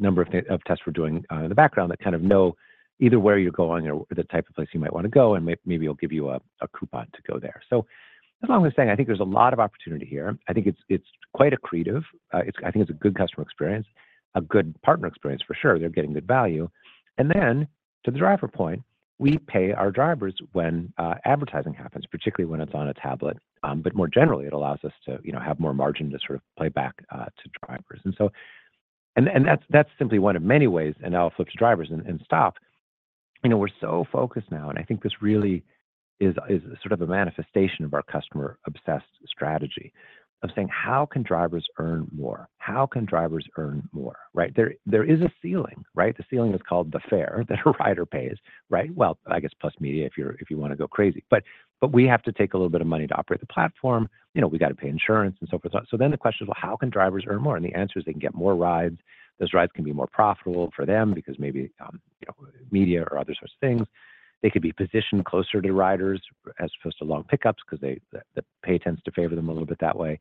number of tests we're doing in the background that kind of know either where you're going or the type of place you might want to go, and maybe it'll give you a coupon to go there. That's all I'm saying. I think there's a lot of opportunity here. I think it's quite accretive. I think it's a good customer experience, a good partner experience, for sure. They're getting good value. Then to the driver point, we pay our drivers when advertising happens, particularly when it's on a tablet. More generally, it allows us to have more margin to sort of play back to drivers. That's simply one of many ways. Now I'll flip to drivers and stop. We're so focused now. I think this really is sort of a manifestation of our customer-obsessed strategy of saying, "How can drivers earn more? How can drivers earn more?" Right? There is a ceiling, right? The ceiling is called the fare that a rider pays, right? Well, I guess, plus media if you want to go crazy. But we have to take a little bit of money to operate the platform. We got to pay insurance and so forth. So then the question is, "Well, how can drivers earn more?" And the answer is they can get more rides. Those rides can be more profitable for them because maybe media or other sorts of things. They could be positioned closer to riders as opposed to long pickups because the pay tends to favor them a little bit that way.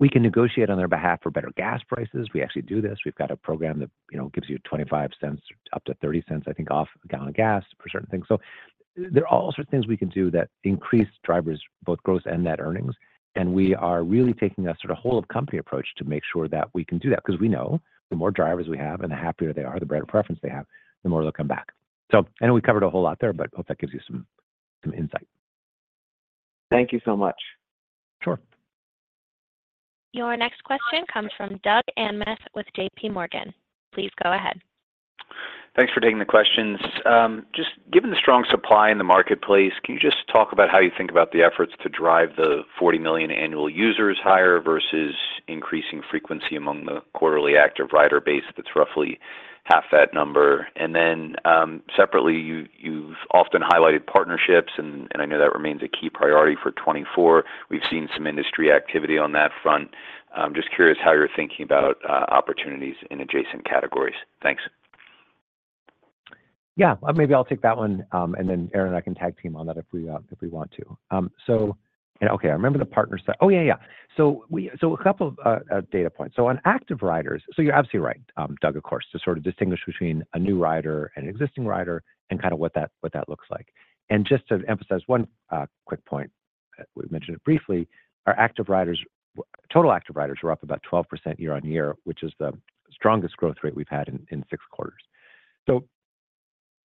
We can negotiate on their behalf for better gas prices. We actually do this. We've got a program that gives you $0.25-$0.30, I think, off a gallon of gas for certain things. So there are all sorts of things we can do that increase drivers' both gross and net earnings. And we are really taking a sort of whole-of-company approach to make sure that we can do that because we know the more drivers we have and the happier they are, the better preference they have, the more they'll come back. So I know we covered a whole lot there, but hope that gives you some insight. Thank you so much. Sure. Your next question comes from Doug Anmuth with J.P. Morgan. Please go ahead. Thanks for taking the questions. Just given the strong supply in the marketplace, can you just talk about how you think about the efforts to drive the 40 million annual users higher versus increasing frequency among the quarterly active rider base that's roughly half that number? And then separately, you've often highlighted partnerships, and I know that remains a key priority for 2024. We've seen some industry activity on that front. I'm just curious how you're thinking about opportunities in adjacent categories. Thanks. Yeah. Maybe I'll take that one, and then Erin and I can tag team on that if we want to. So, okay, I remember the partner side. Oh, yeah, yeah. So, a couple of data points. So, on active riders, so you're absolutely right, Doug, of course, to sort of distinguish between a new rider and an existing rider and kind of what that looks like. And just to emphasize one quick point, we mentioned it briefly, our total active riders were up about 12% year-over-year, which is the strongest growth rate we've had in six quarters. So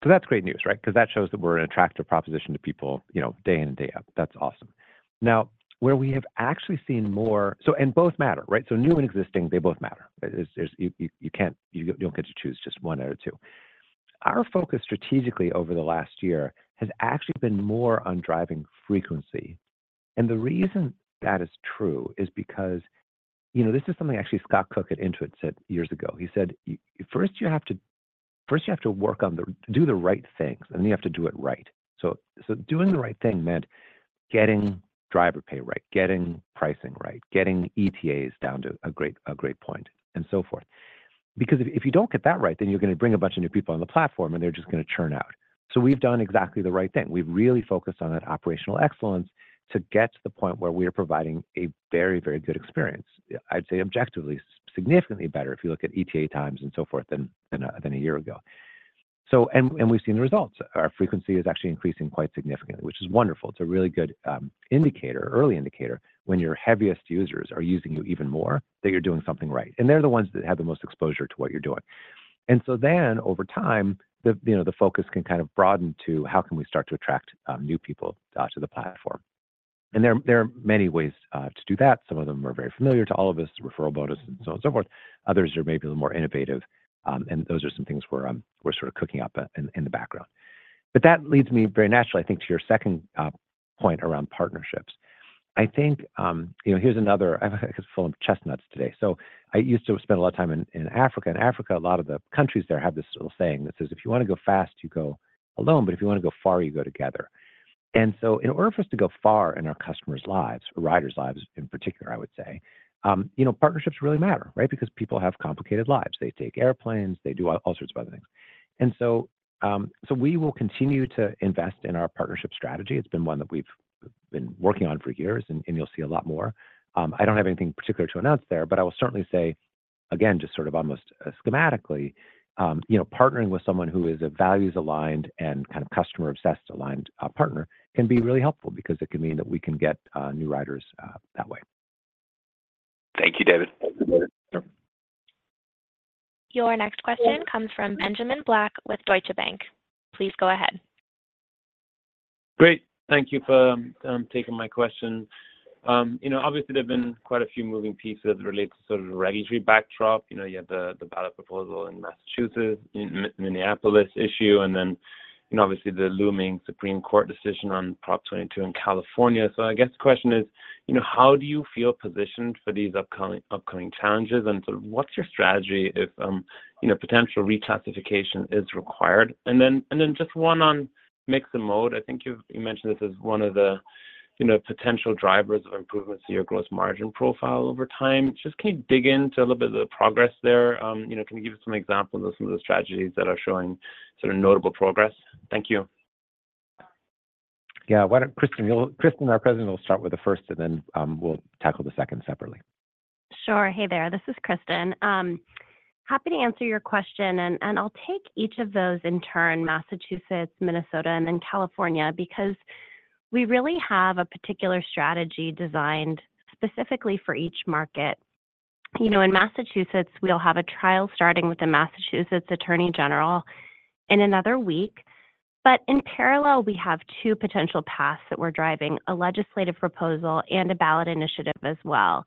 that's great news, right? Because that shows that we're an attractive proposition to people day in and day out. That's awesome. Now, where we have actually seen more and both matter, right? So new and existing, they both matter. You don't get to choose just one out of two. Our focus strategically over the last year has actually been more on driving frequency. The reason that is true is because this is something actually Scott Cook at Intuit said years ago. He said, "First, you have to work on doing the right things, and then you have to do it right." So doing the right thing meant getting driver pay right, getting pricing right, getting ETAs down to a great point, and so forth. Because if you don't get that right, then you're going to bring a bunch of new people on the platform, and they're just going to churn out. So we've done exactly the right thing. We've really focused on that operational excellence to get to the point where we are providing a very, very good experience. I'd say objectively, significantly better if you look at ETA times and so forth than a year ago. We've seen the results. Our frequency is actually increasing quite significantly, which is wonderful. It's a really good indicator, early indicator, when your heaviest users are using you even more, that you're doing something right. They're the ones that have the most exposure to what you're doing. So then, over time, the focus can kind of broaden to, "How can we start to attract new people to the platform?" There are many ways to do that. Some of them are very familiar to all of us, referral bonus and so on and so forth. Others are maybe a little more innovative. Those are some things we're sort of cooking up in the background. But that leads me very naturally, I think, to your second point around partnerships. I think, here's another. I guess I'm full of chestnuts today. So I used to spend a lot of time in Africa. In Africa, a lot of the countries there have this little saying that says, "If you want to go fast, you go alone. But if you want to go far, you go together." And so in order for us to go far in our customers' lives, riders' lives in particular, I would say, partnerships really matter, right? Because people have complicated lives. They take airplanes. They do all sorts of other things. And so we will continue to invest in our partnership strategy. It's been one that we've been working on for years, and you'll see a lot more. I don't have anything particular to announce there, but I will certainly say, again, just sort of almost schematically, partnering with someone who is a values-aligned and kind of customer-obsessed-aligned partner can be really helpful because it can mean that we can get new riders that way. Thank you, David. Your next question comes from Benjamin Black with Deutsche Bank. Please go ahead. Great. Thank you for taking my question. Obviously, there have been quite a few moving pieces as it relates to sort of the regulatory backdrop. You have the ballot proposal in Massachusetts, Minneapolis issue, and then obviously, the looming Supreme Court decision on Prop 22 in California. So I guess the question is, how do you feel positioned for these upcoming challenges? And sort of what's your strategy if potential reclassification is required? And then just one on mix and mode. I think you mentioned this as one of the potential drivers of improvements to your gross margin profile over time. Just can you dig into a little bit of the progress there? Can you give us some examples of some of the strategies that are showing sort of notable progress? Thank you. Yeah. Kristin, our president, will start with the first, and then we'll tackle the second separately. Sure. Hey there. This is Kristin. Happy to answer your question. I'll take each of those in turn, Massachusetts, Minnesota, and then California because we really have a particular strategy designed specifically for each market. In Massachusetts, we'll have a trial starting with the Massachusetts Attorney General in another week. In parallel, we have two potential paths that we're driving, a legislative proposal and a ballot initiative as well.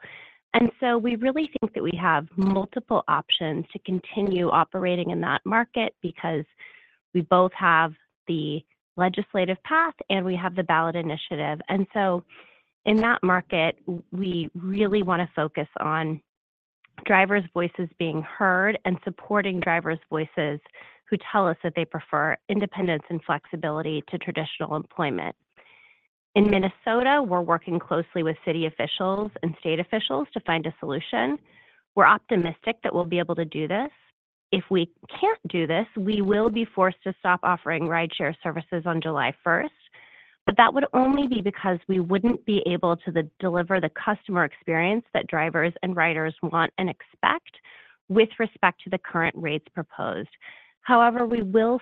We really think that we have multiple options to continue operating in that market because we both have the legislative path, and we have the ballot initiative. In that market, we really want to focus on drivers' voices being heard and supporting drivers' voices who tell us that they prefer independence and flexibility to traditional employment. In Minnesota, we're working closely with city officials and state officials to find a solution. We're optimistic that we'll be able to do this. If we can't do this, we will be forced to stop offering rideshare services on July 1st. But that would only be because we wouldn't be able to deliver the customer experience that drivers and riders want and expect with respect to the current rates proposed. However, we will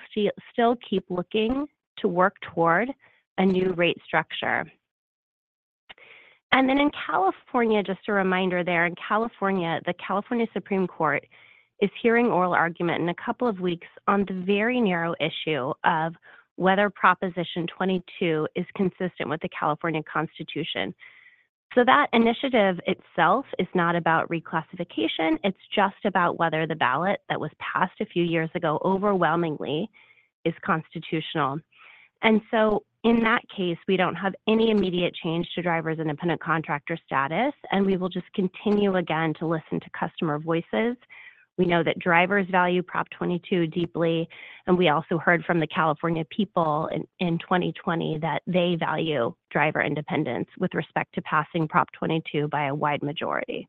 still keep looking to work toward a new rate structure. Then in California, just a reminder there, in California, the California Supreme Court is hearing oral argument in a couple of weeks on the very narrow issue of whether Proposition 22 is consistent with the California Constitution. So that initiative itself is not about reclassification. It's just about whether the ballot that was passed a few years ago overwhelmingly is constitutional. So in that case, we don't have any immediate change to drivers' independent contractor status. We will just continue again to listen to customer voices. We know that drivers value Prop 22 deeply. We also heard from the California people in 2020 that they value driver independence with respect to passing Prop 22 by a wide majority.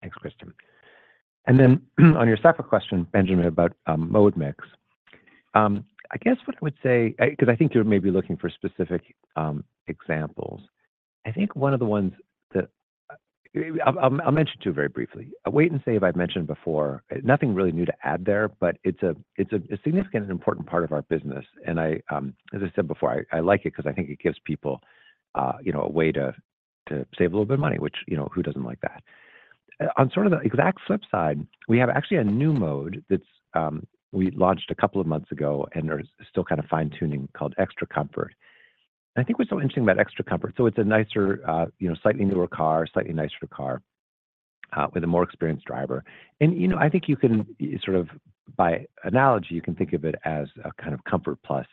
Thanks, Kristin. And then on your separate question, Benjamin, about mode mix, I guess what I would say because I think you're maybe looking for specific examples. I think one of the ones that I'll mention, too, very briefly. Wait and Save. See if I've mentioned before. Nothing really new to add there, but it's a significant and important part of our business. And as I said before, I like it because I think it gives people a way to save a little bit of money, which who doesn't like that? On sort of the exact flip side, we have actually a new mode that we launched a couple of months ago and are still kind of fine-tuning called Extra Comfort. And I think what's so interesting about Extra Comfort, so it's a slightly newer car, slightly nicer car with a more experienced driver. I think you can sort of by analogy, you can think of it as a kind of Comfort Plus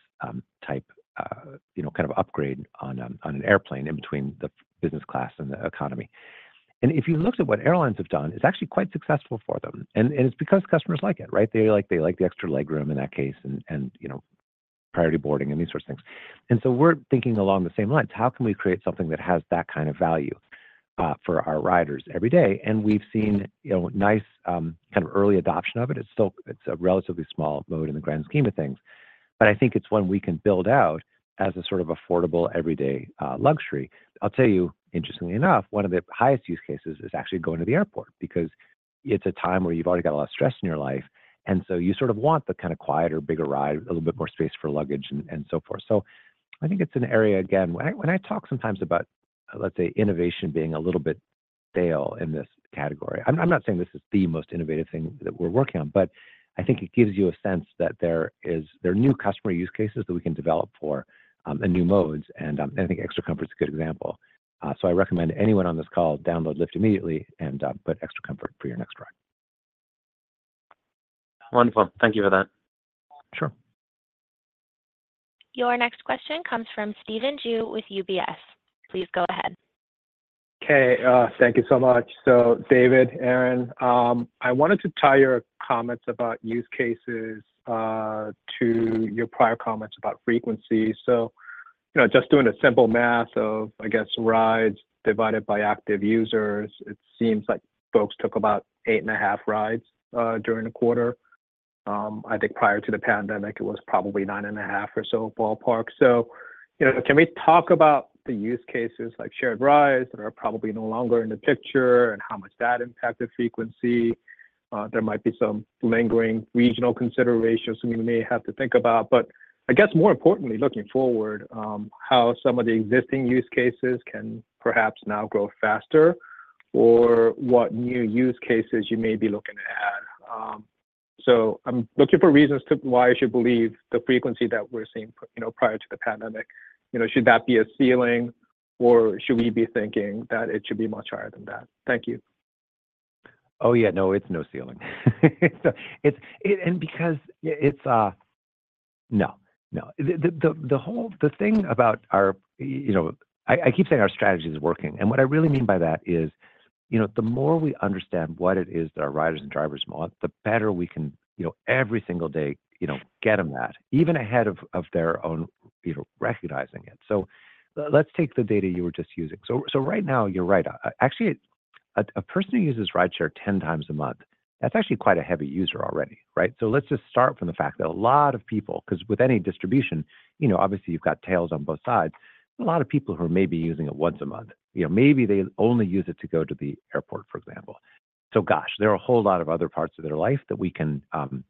type kind of upgrade on an airplane in between the business class and the economy. If you looked at what airlines have done, it's actually quite successful for them. It's because customers like it, right? They like the extra legroom in that case and priority boarding and these sorts of things. So we're thinking along the same lines. How can we create something that has that kind of value for our riders every day? We've seen nice kind of early adoption of it. It's a relatively small mode in the grand scheme of things. But I think it's one we can build out as a sort of affordable everyday luxury. I'll tell you, interestingly enough, one of the highest use cases is actually going to the airport because it's a time where you've already got a lot of stress in your life. And so you sort of want the kind of quieter, bigger ride, a little bit more space for luggage, and so forth. So I think it's an area, again, when I talk sometimes about, let's say, innovation being a little bit stale in this category. I'm not saying this is the most innovative thing that we're working on, but I think it gives you a sense that there are new customer use cases that we can develop for the new modes. And I think Extra Comfort is a good example. So I recommend anyone on this call download Lyft immediately and put Extra Comfort for your next ride. Wonderful. Thank you for that. Sure. Your next question comes from Stephen Ju with UBS. Please go ahead. Okay. Thank you so much. So David, Erin, I wanted to tie your comments about use cases to your prior comments about frequency. So just doing a simple math of, I guess, rides divided by active users, it seems like folks took about 8.5 rides during the quarter. I think prior to the pandemic, it was probably 9.5 or so ballpark. So can we talk about the use cases like shared rides that are probably no longer in the picture and how much that impacted frequency? There might be some lingering regional considerations we may have to think about. But I guess more importantly, looking forward, how some of the existing use cases can perhaps now grow faster or what new use cases you may be looking to add? I'm looking for reasons why you should believe the frequency that we're seeing prior to the pandemic. Should that be a ceiling, or should we be thinking that it should be much higher than that? Thank you. Oh, yeah. No, it's no ceiling. Because it's no, no. The thing about our, I keep saying our strategy is working. What I really mean by that is the more we understand what it is that our riders and drivers want, the better we can every single day get them that, even ahead of their own recognizing it. So let's take the data you were just using. So right now, you're right. Actually, a person who uses rideshare 10 times a month, that's actually quite a heavy user already, right? So let's just start from the fact that a lot of people, because with any distribution, obviously, you've got tails on both sides. A lot of people who are maybe using it once a month, maybe they only use it to go to the airport, for example. So gosh, there are a whole lot of other parts of their life that we can,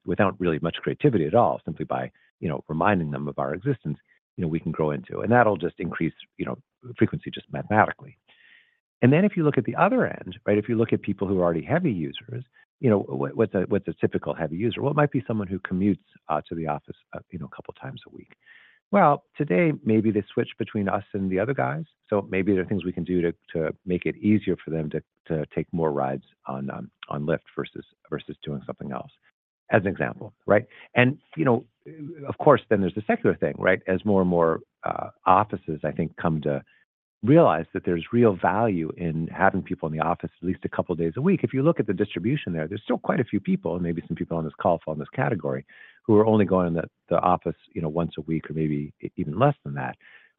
without really much creativity at all, simply by reminding them of our existence, we can grow into. And that'll just increase frequency just mathematically. And then if you look at the other end, right, if you look at people who are already heavy users, what's a typical heavy user? Well, it might be someone who commutes to the office a couple of times a week. Well, today, maybe they switch between us and the other guys. So maybe there are things we can do to make it easier for them to take more rides on Lyft versus doing something else, as an example, right? And of course, then there's the secular thing, right, as more and more offices, I think, come to realize that there's real value in having people in the office at least a couple of days a week. If you look at the distribution there, there's still quite a few people, and maybe some people on this call fall in this category, who are only going to the office once a week or maybe even less than that.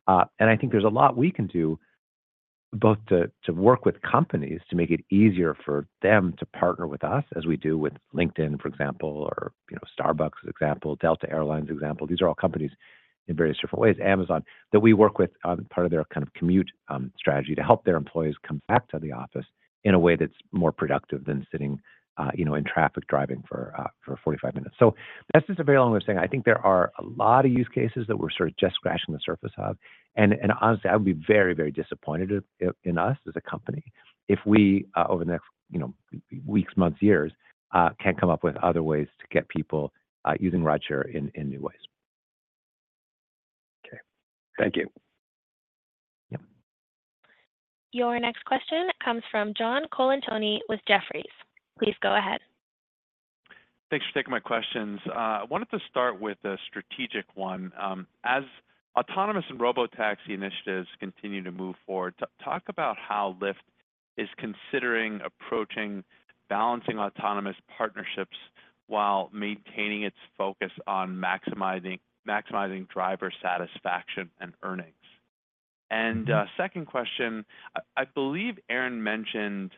And I think there's a lot we can do both to work with companies to make it easier for them to partner with us as we do with LinkedIn, for example, or Starbucks as an example, Delta Air Lines as an example. These are all companies in various different ways. Amazon, that we work with on part of their kind of commute strategy to help their employees come back to the office in a way that's more productive than sitting in traffic driving for 45 minutes. That's just a very long way of saying I think there are a lot of use cases that we're sort of just scratching the surface of. Honestly, I would be very, very disappointed in us as a company if we, over the next weeks, months, years, can't come up with other ways to get people using rideshare in new ways. Okay. Thank you. Yep. Your next question comes from John Colantuoni with Jefferies. Please go ahead. Thanks for taking my questions. I wanted to start with a strategic one. As autonomous and robotaxi initiatives continue to move forward, talk about how Lyft is considering approaching balancing autonomous partnerships while maintaining its focus on maximizing driver satisfaction and earnings? And second question, I believe Erin mentioned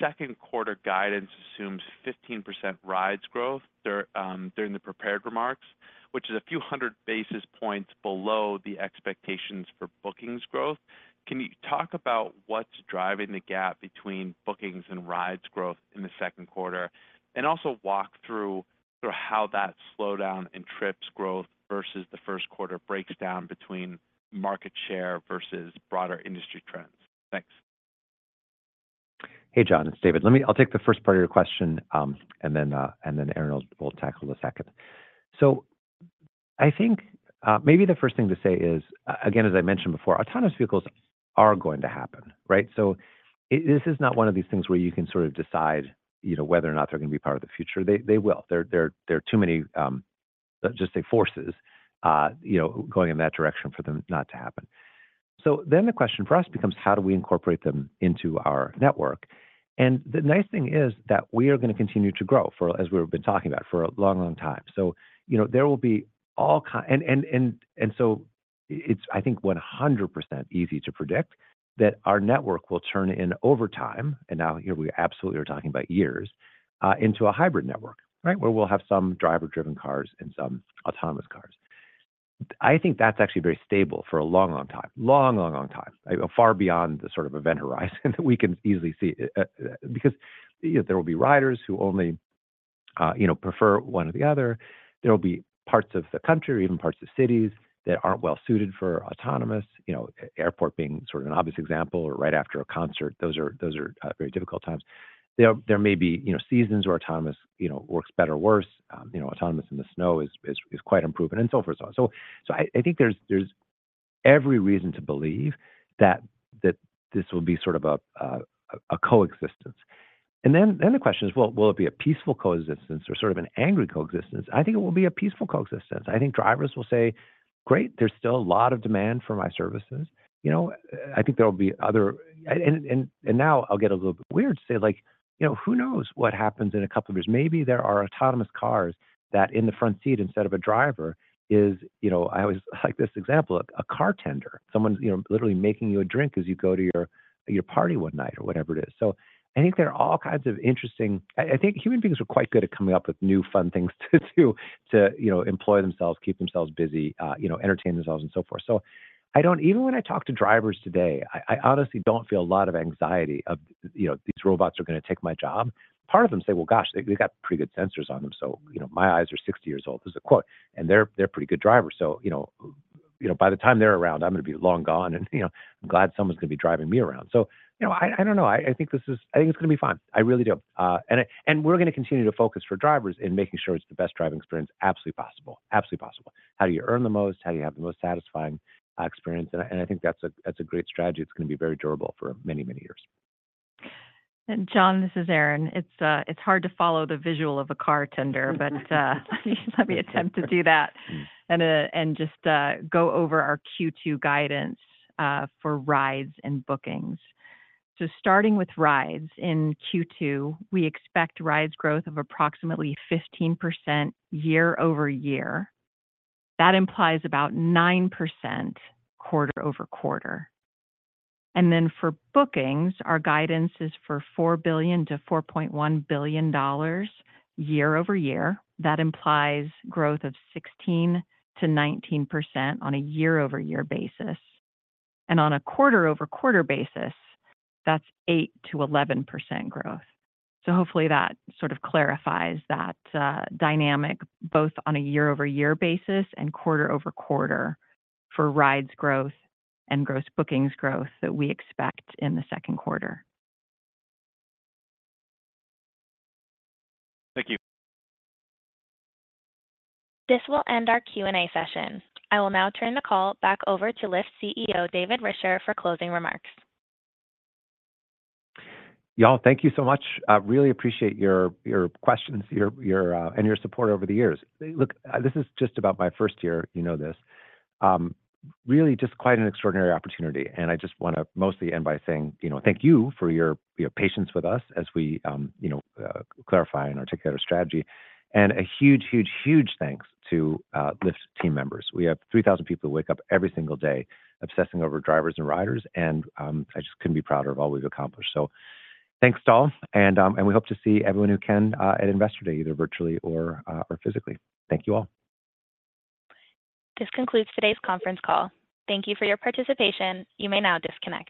second-quarter guidance assumes 15% rides growth during the prepared remarks, which is a few hundred basis points below the expectations for bookings growth. Can you talk about what's driving the gap between bookings and rides growth in the second quarter and also walk through how that slowdown in trips growth versus the first quarter breaks down between market share versus broader industry trends? Thanks. Hey, John. It's David. I'll take the first part of your question, and then Erin will tackle the second. So I think maybe the first thing to say is, again, as I mentioned before, autonomous vehicles are going to happen, right? So this is not one of these things where you can sort of decide whether or not they're going to be part of the future. They will. There are too many, let's just say, forces going in that direction for them not to happen. So then the question for us becomes, how do we incorporate them into our network? And the nice thing is that we are going to continue to grow, as we've been talking about, for a long, long time. So there will be all kinds and so it's, I think, 100% easy to predict that our network will turn in overtime, and now here, we absolutely are talking about years, into a hybrid network, right, where we'll have some driver-driven cars and some autonomous cars. I think that's actually very stable for a long, long time, long, long, long time, far beyond the sort of event horizon that we can easily see because there will be riders who only prefer one or the other. There will be parts of the country, even parts of cities, that aren't well-suited for autonomous, airport being sort of an obvious example, or right after a concert. Those are very difficult times. There may be seasons where autonomous works better or worse. Autonomous in the snow is quite improving, and so forth, and so on. I think there's every reason to believe that this will be sort of a coexistence. Then the question is, will it be a peaceful coexistence or sort of an angry coexistence? I think it will be a peaceful coexistence. I think drivers will say, "Great. There's still a lot of demand for my services." I think there will be other and now I'll get a little bit weird to say, who knows what happens in a couple of years? Maybe there are autonomous cars that in the front seat, instead of a driver, is I always like this example, a car tender, someone literally making you a drink as you go to your party one night or whatever it is. So I think there are all kinds of interesting I think human beings are quite good at coming up with new fun things to do to employ themselves, keep themselves busy, entertain themselves, and so forth. So even when I talk to drivers today, I honestly don't feel a lot of anxiety of, "These robots are going to take my job." Part of them say, "Well, gosh, they've got pretty good sensors on them. So my eyes are 60 years old," as a quote. And they're pretty good drivers. So by the time they're around, I'm going to be long gone. And I'm glad someone's going to be driving me around. So I don't know. I think this is I think it's going to be fine. I really do. And we're going to continue to focus for drivers in making sure it's the best driving experience absolutely possible, absolutely possible. How do you earn the most? How do you have the most satisfying experience? And I think that's a great strategy. It's going to be very durable for many, many years. John, this is Erin. It's hard to follow the visual of a quarter, but let me attempt to do that and just go over our Q2 guidance for rides and bookings. Starting with rides, in Q2, we expect rides growth of approximately 15% year-over-year. That implies about 9% quarter-over-quarter. For bookings, our guidance is for $4 billion-$4.1 billion year-over-year. That implies growth of 16%-19% on a year-over-year basis. On a quarter-over-quarter basis, that's 8%-11% growth. Hopefully, that sort of clarifies that dynamic, both on a year-over-year basis and quarter-over-quarter, for rides growth and gross bookings growth that we expect in the second quarter. Thank you. This will end our Q&A session. I will now turn the call back over to Lyft CEO David Risher for closing remarks. Y'all, thank you so much. Really appreciate your questions and your support over the years. Look, this is just about my first year. You know this. Really, just quite an extraordinary opportunity. And I just want to mostly end by saying thank you for your patience with us as we clarify and articulate our strategy. And a huge, huge, huge thanks to Lyft team members. We have 3,000 people who wake up every single day obsessing over drivers and riders. And I just couldn't be prouder of all we've accomplished. So thanks, all. And we hope to see everyone who can at Investor Day, either virtually or physically. Thank you all. This concludes today's conference call. Thank you for your participation. You may now disconnect.